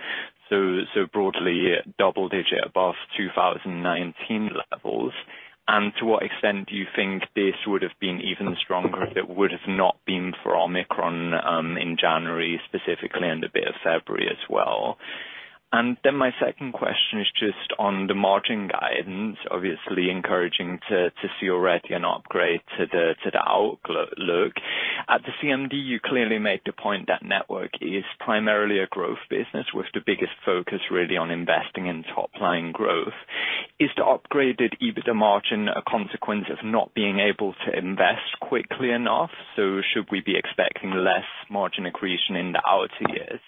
so broadly double-digit above 2019 levels? To what extent do you think this would have been even stronger if it would have not been for Omicron in January, specifically, and a bit of February as well? Then my second question is just on the margin guidance, obviously encouraging to see already an upgrade to the outlook. At the CMD, you clearly made the point that Network is primarily a growth business with the biggest focus really on investing in top-line growth. Is the upgraded EBITDA margin a consequence of not being able to invest quickly enough? Should we be expecting less margin accretion in the outer years,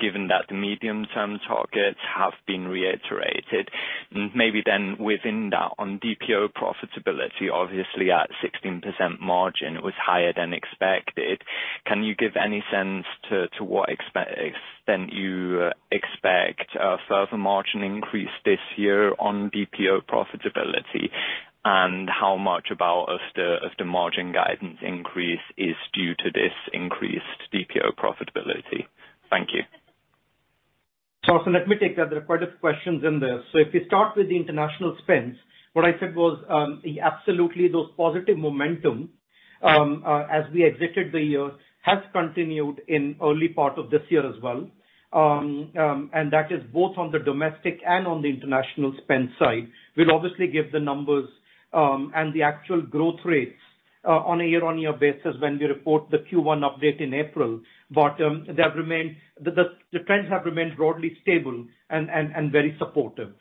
given that the medium-term targets have been reiterated? Maybe then within that, on DPO profitability, obviously at 16% margin, it was higher than expected. Can you give any sense to what extent you expect a further margin increase this year on DPO profitability? How much of the margin guidance increase is due to this increased DPO profitability? Thank you. Let me take that. There are quite a few questions in there. If you start with the international spends, what I said was, absolutely those positive momentum, as we exited the year, has continued in early part of this year as well. And that is both on the domestic and on the international spend side. We'll obviously give the numbers, and the actual growth rates, on a year-on-year basis when we report the Q1 update in April. They have remained. The trends have remained broadly stable and very supportive.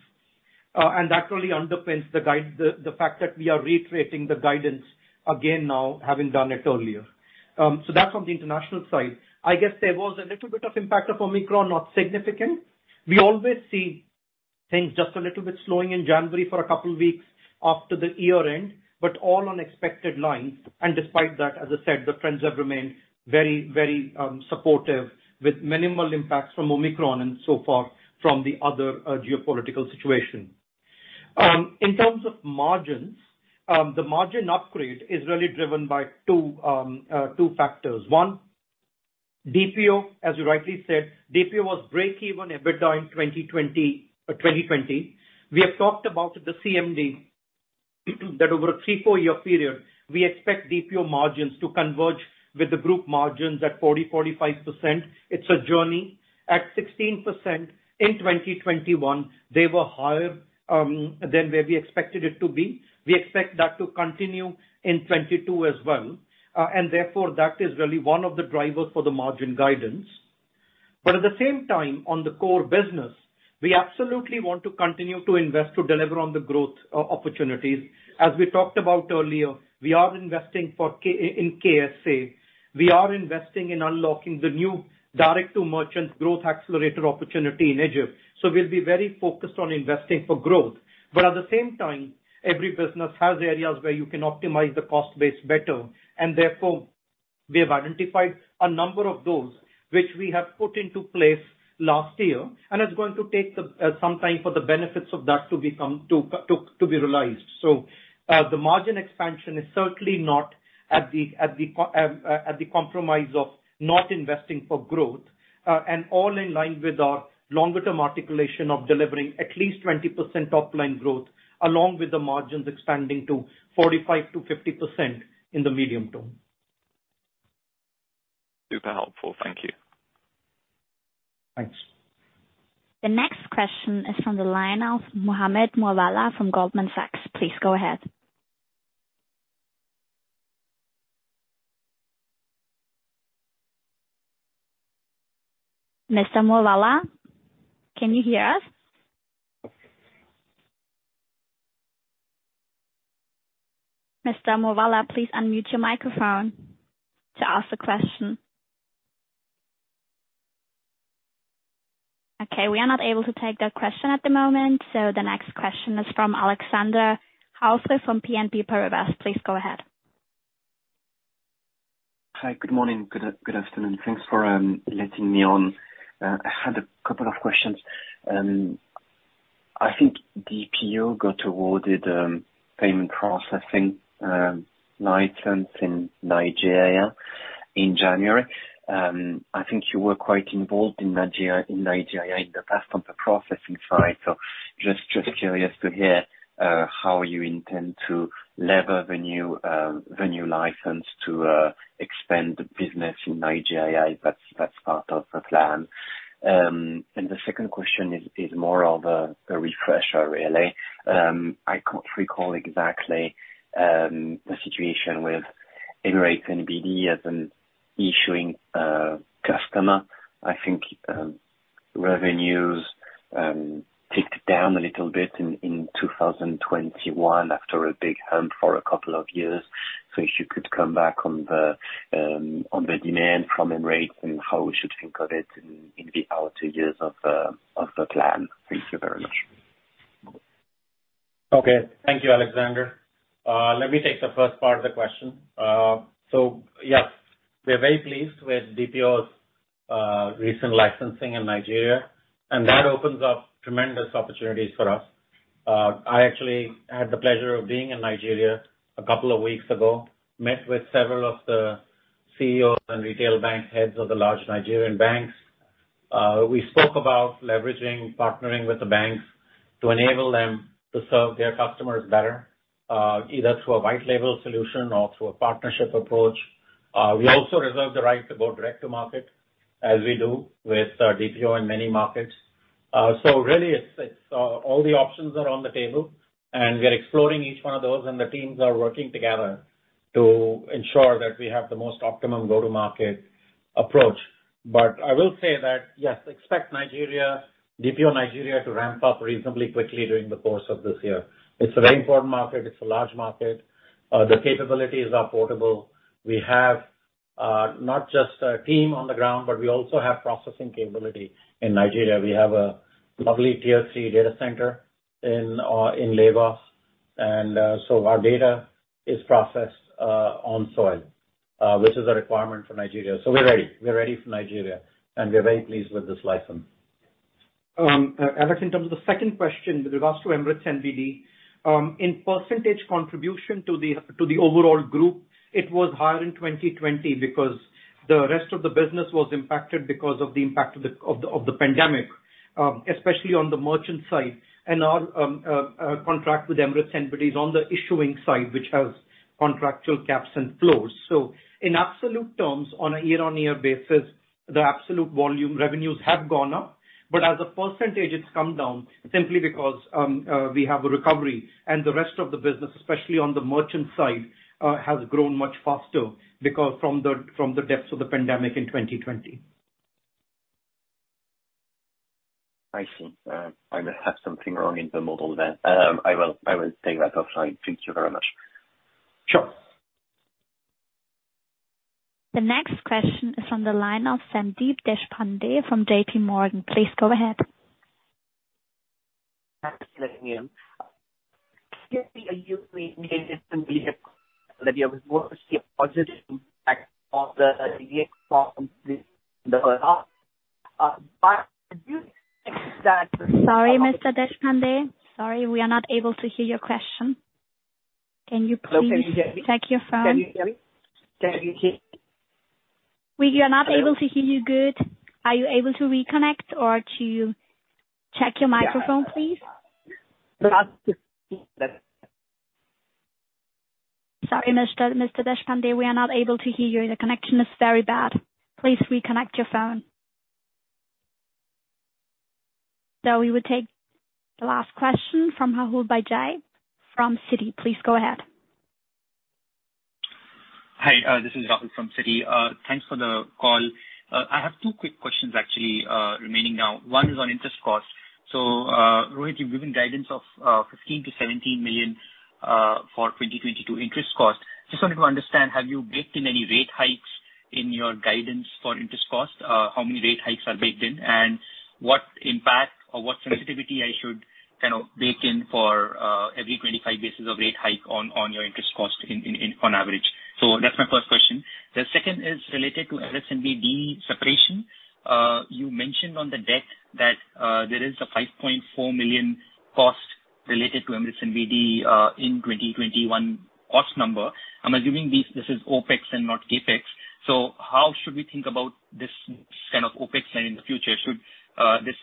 And that really underpins the guidance. The fact that we are reiterating the guidance again now, having done it earlier. That's on the international side. I guess there was a little bit of impact of Omicron, not significant. We always see things just a little bit slowing in January for a couple weeks after the year-end, but all on expected lines. Despite that, as I said, the trends have remained very supportive with minimal impacts from Omicron and so far from the other geopolitical situation. In terms of margins, the margin upgrade is really driven by two factors. One, DPO, as you rightly said, DPO was break-even EBITDA in 2020. We have talked about the CMD, that over a three- or four-year period, we expect DPO margins to converge with the group margins at 40%-45%. It's a journey. At 16% in 2021, they were higher than where we expected it to be. We expect that to continue in 2022 as well. Therefore that is really one of the drivers for the margin guidance. At the same time, on the core business, we absolutely want to continue to invest to deliver on the growth opportunities. As we talked about earlier, we are investing in KSA. We are investing in unlocking the new direct-to-merchant growth accelerator opportunity in Egypt. We'll be very focused on investing for growth. At the same time, every business has areas where you can optimize the cost base better and therefore we have identified a number of those which we have put into place last year, and it's going to take some time for the benefits of that to be realized. The margin expansion is certainly not at the compromise of not investing for growth, and all in line with our longer-term articulation of delivering at least 20% top-line growth along with the margins expanding to 45%-50% in the medium-term. Super helpful. Thank you. Thanks. The next question is from the line of Mohammed Moawalla from Goldman Sachs. Please go ahead. Mr. Moawalla, can you hear us? Mr. Moawalla, please unmute your microphone to ask the question. Okay, we are not able to take that question at the moment, so the next question is from [Alexander Hauzo] from BNP Paribas. Please go ahead. Hi. Good morning. Good afternoon. Thanks for letting me on. I had a couple of questions. I think DPO got awarded payment processing license in Nigeria in January. I think you were quite involved in Nigeria in the past on the processing side, so just curious to hear how you intend to leverage the new license to expand the business in Nigeria if that's part of the plan. The second question is more of a refresher really. I can't recall exactly the situation with Emirates NBD as an issuing customer. I think revenues ticked down a little bit in 2021 after a big hunt for a couple of years. If you could comment on the demand from Emirates NBD and how we should think of it in the outer years of the plan. Thank you very much. Okay. Thank you, Alexander. Let me take the first part of the question. Yes, we are very pleased with DPO's recent licensing in Nigeria, and that opens up tremendous opportunities for us. I actually had the pleasure of being in Nigeria a couple of weeks ago. Met with several of the CEOs and retail bank heads of the large Nigerian banks. We spoke about leveraging, partnering with the banks to enable them to serve their customers better, either through a white label solution or through a partnership approach. We also reserve the right to go direct to market as we do with DPO in many markets. Really, it's all the options are on the table, and we are exploring each one of those, and the teams are working together to ensure that we have the most optimum go-to market approach. I will say that, yes, expect Nigeria, DPO Nigeria, to ramp up reasonably quickly during the course of this year. It's a very important market. It's a large market. The capabilities are portable. We have not just a team on the ground, but we also have processing capability in Nigeria. We have a lovely Tier III data center in Lagos, and so our data is processed on soil, which is a requirement for Nigeria. We're ready for Nigeria, and we're very pleased with this license. Alex, in terms of the second question with regards to Emirates NBD, in percentage contribution to the overall group, it was higher in 2020 because the rest of the business was impacted because of the impact of the pandemic, especially on the merchant side. Our contract with Emirates NBD is on the issuing side, which has contractual caps and floors. In absolute terms, on a year-on-year basis, the absolute volume revenues have gone up, but as a percentage, it's come down simply because we have a recovery and the rest of the business, especially on the merchant side, has grown much faster because from the depths of the pandemic in 2020. I see. I must have something wrong in the model then. I will take that offline. Thank you very much. Sure. The next question is from the line of Sandeep Deshpande from JPMorgan. Please go ahead. Thanks for letting me in. Clearly you've indicated to me that you're working towards a positive impact of the. Sorry, Mr. Deshpande. Sorry, we are not able to hear your question. Can you please. Can you hear me? Check your phone? Can you hear me? Can you hear me? We are not able to hear you good. Are you able to reconnect or to check your microphone please? Sorry, Mr. Deshpande, we are not able to hear you. The connection is very bad. Please reconnect your phone. We will take the last question from Rahul Bajaj from Citi. Please go ahead. Hi, this is Rahul from Citi. Thanks for the call. I have two quick questions actually remaining now. One is on interest costs. Rohit, you've given guidance of $15-$17 million for 2022 interest costs. Just wanted to understand, have you baked in any rate hikes in your guidance for interest costs? How many rate hikes are baked in? And what impact or what sensitivity I should kind of bake in for every 25 basis of rate hike on your interest cost on average? That's my first question. The second is related to Emirates NBD separation. You mentioned on the debt that there is a $5.4 million cost related to Emirates NBD in 2021 cost number. I'm assuming this is OpEx and not CapEx. How should we think about this kind of OpEx then in the future? Should this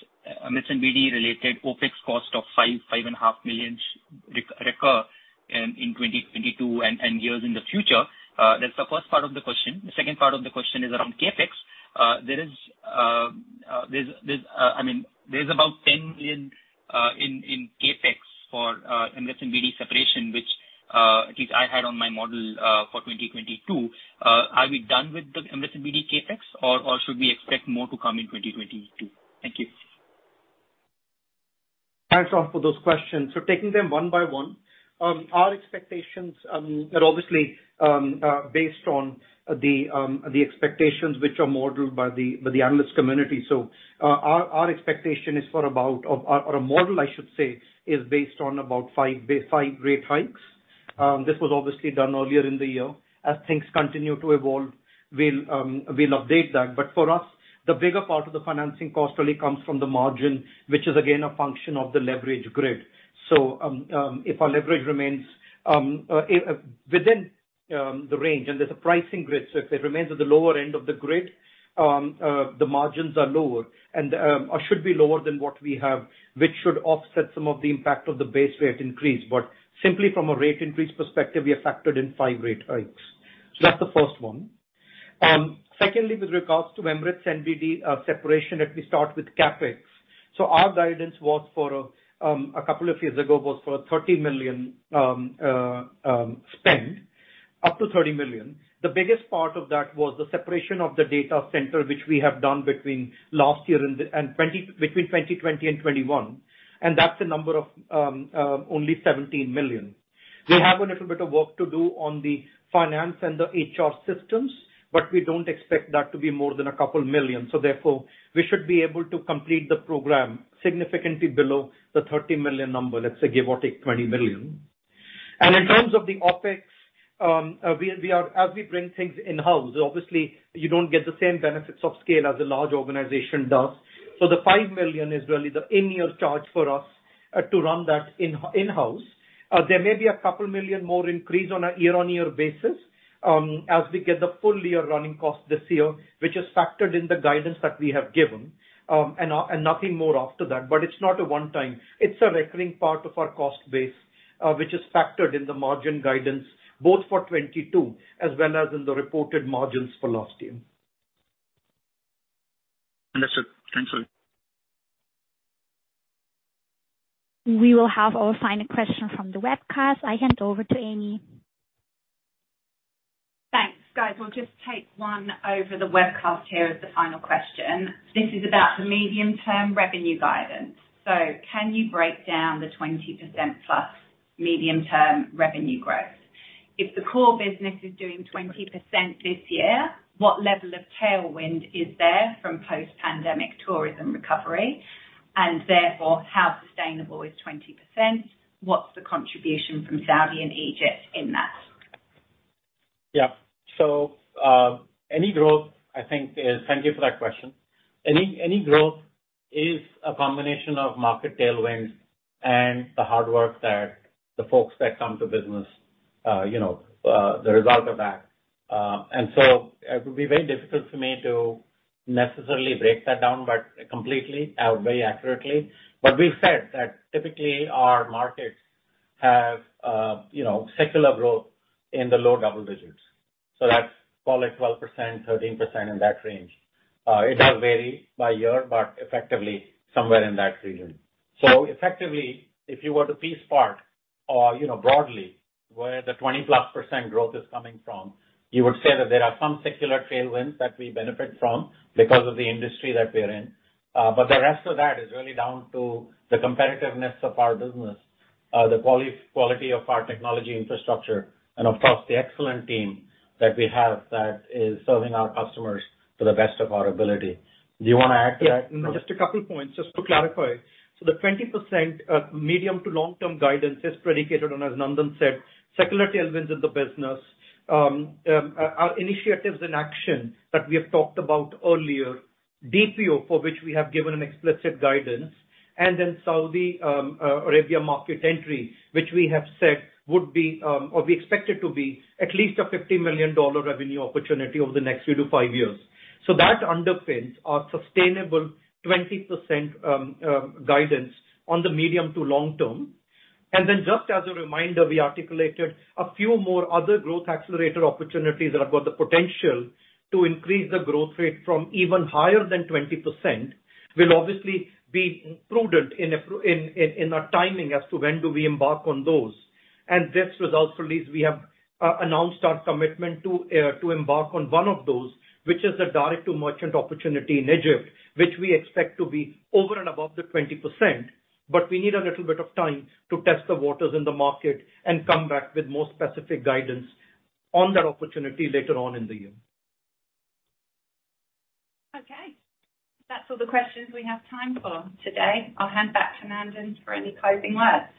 Emirates NBD related OpEx cost of $5-$5.5 million recur in 2022 and years in the future? That's the first part of the question. The second part of the question is around CapEx. I mean, there is about $10 million in CapEx for Emirates NBD separation, which at least I had on my model for 2022. Are we done with the Emirates NBD CapEx, or should we expect more to come in 2022? Thank you. Thanks, Rahul, for those questions. Taking them one by one. Our expectations are obviously based on the expectations which are modeled by the analyst community. Our expectation is for about, or a model, I should say, is based on about five rate hikes. This was obviously done earlier in the year. As things continue to evolve, we'll update that. For us, the bigger part of the financing cost really comes from the margin, which is again a function of the leverage grid. If our leverage remains within the range and there's a pricing grid, if it remains at the lower end of the grid, the margins are lower and or should be lower than what we have, which should offset some of the impact of the base rate increase. Simply from a rate increase perspective, we have factored in five rate hikes. That's the first one. Secondly, with regards to Emirates NBD separation, let me start with CapEx. Our guidance, a couple of years ago, was for $30 million spend, up to $30 million. The biggest part of that was the separation of the data center, which we have done between last year and the between 2020 and 2021, and that's a number of only $17 million. We have a little bit of work to do on the finance and the HR systems, but we don't expect that to be more than a couple million. We should be able to complete the program significantly below the $30 million number, let's say give or take $20 million. In terms of the OpEx, we are as we bring things in-house, obviously you don't get the same benefits of scale as a large organization does. The $5 million is really the in-year charge for us to run that in-house. There may be $2 million more increase on a year-on-year basis, as we get the full year running cost this year, which is factored in the guidance that we have given, and nothing more after that. It's not a one time. It's a recurring part of our cost base, which is factored in the margin guidance both for 2022 as well as in the reported margins for last year. Understood. Thanks a lot. We will have our final question from the webcast. I hand over to Amy. Thanks, guys. We'll just take one over the webcast here as the final question. This is about the medium-term revenue guidance. Can you break down the 20%+ medium-term revenue growth? If the core business is doing 20% this year, what level of tailwind is there from post-pandemic tourism recovery? And therefore, how sustainable is 20%? What's the contribution from Saudi and Egypt in that? Thank you for that question. Any growth is a combination of market tailwinds and the hard work that the folks that come to business, you know, the result of that. It would be very difficult for me to necessarily break that down, but completely, very accurately. But we've said that typically our markets have, you know, secular growth in the low-double-digits. That's call it 12%-13%, in that range. It does vary by year, but effectively somewhere in that region. Effectively, if you were to piece part or, you know, broadly, where the 20%+ growth is coming from, you would say that there are some secular tailwinds that we benefit from because of the industry that we're in. The rest of that is really down to the competitiveness of our business, the quality of our technology infrastructure, and of course, the excellent team that we have that is serving our customers to the best of our ability. Do you wanna add to that? Yeah. Just a couple points, just to clarify. The 20% medium- to long-term guidance is predicated on, as Nandan said, secular tailwinds of the business. Our initiatives and action that we have talked about earlier, DPO, for which we have given an explicit guidance, and then Saudi Arabia market entry, which we have said would be or we expect it to be at least a $50 million revenue opportunity over the next three to five years. That underpins our sustainable 20% guidance on the medium-to long-term. Just as a reminder, we articulated a few more other growth accelerator opportunities that have got the potential to increase the growth rate from even higher than 20%. We'll obviously be prudent in our timing as to when do we embark on those. This results release, we have announced our commitment to embark on one of those, which is a direct-to-merchant opportunity in Egypt, which we expect to be over and above the 20%, but we need a little bit of time to test the waters in the market and come back with more specific guidance on that opportunity later on in the year. Okay. That's all the questions we have time for today. I'll hand back to Nandan for any closing words.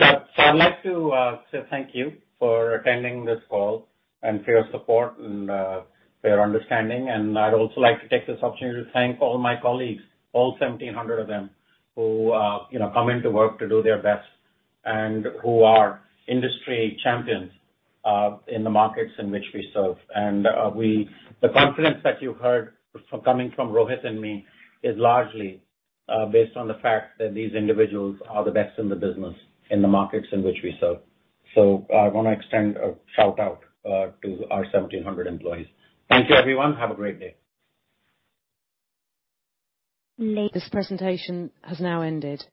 Yeah. I'd like to say thank you for attending this call and for your support and your understanding. I'd also like to take this opportunity to thank all my colleagues, all 1,700 of them, who, you know, come into work to do their best and who are industry champions in the markets in which we serve. The confidence that you heard from Rohit and me is largely based on the fact that these individuals are the best in the business in the markets in which we serve. I wanna extend a shout-out to our 1,700 employees. Thank you, everyone. Have a great day. This presentation has now ended.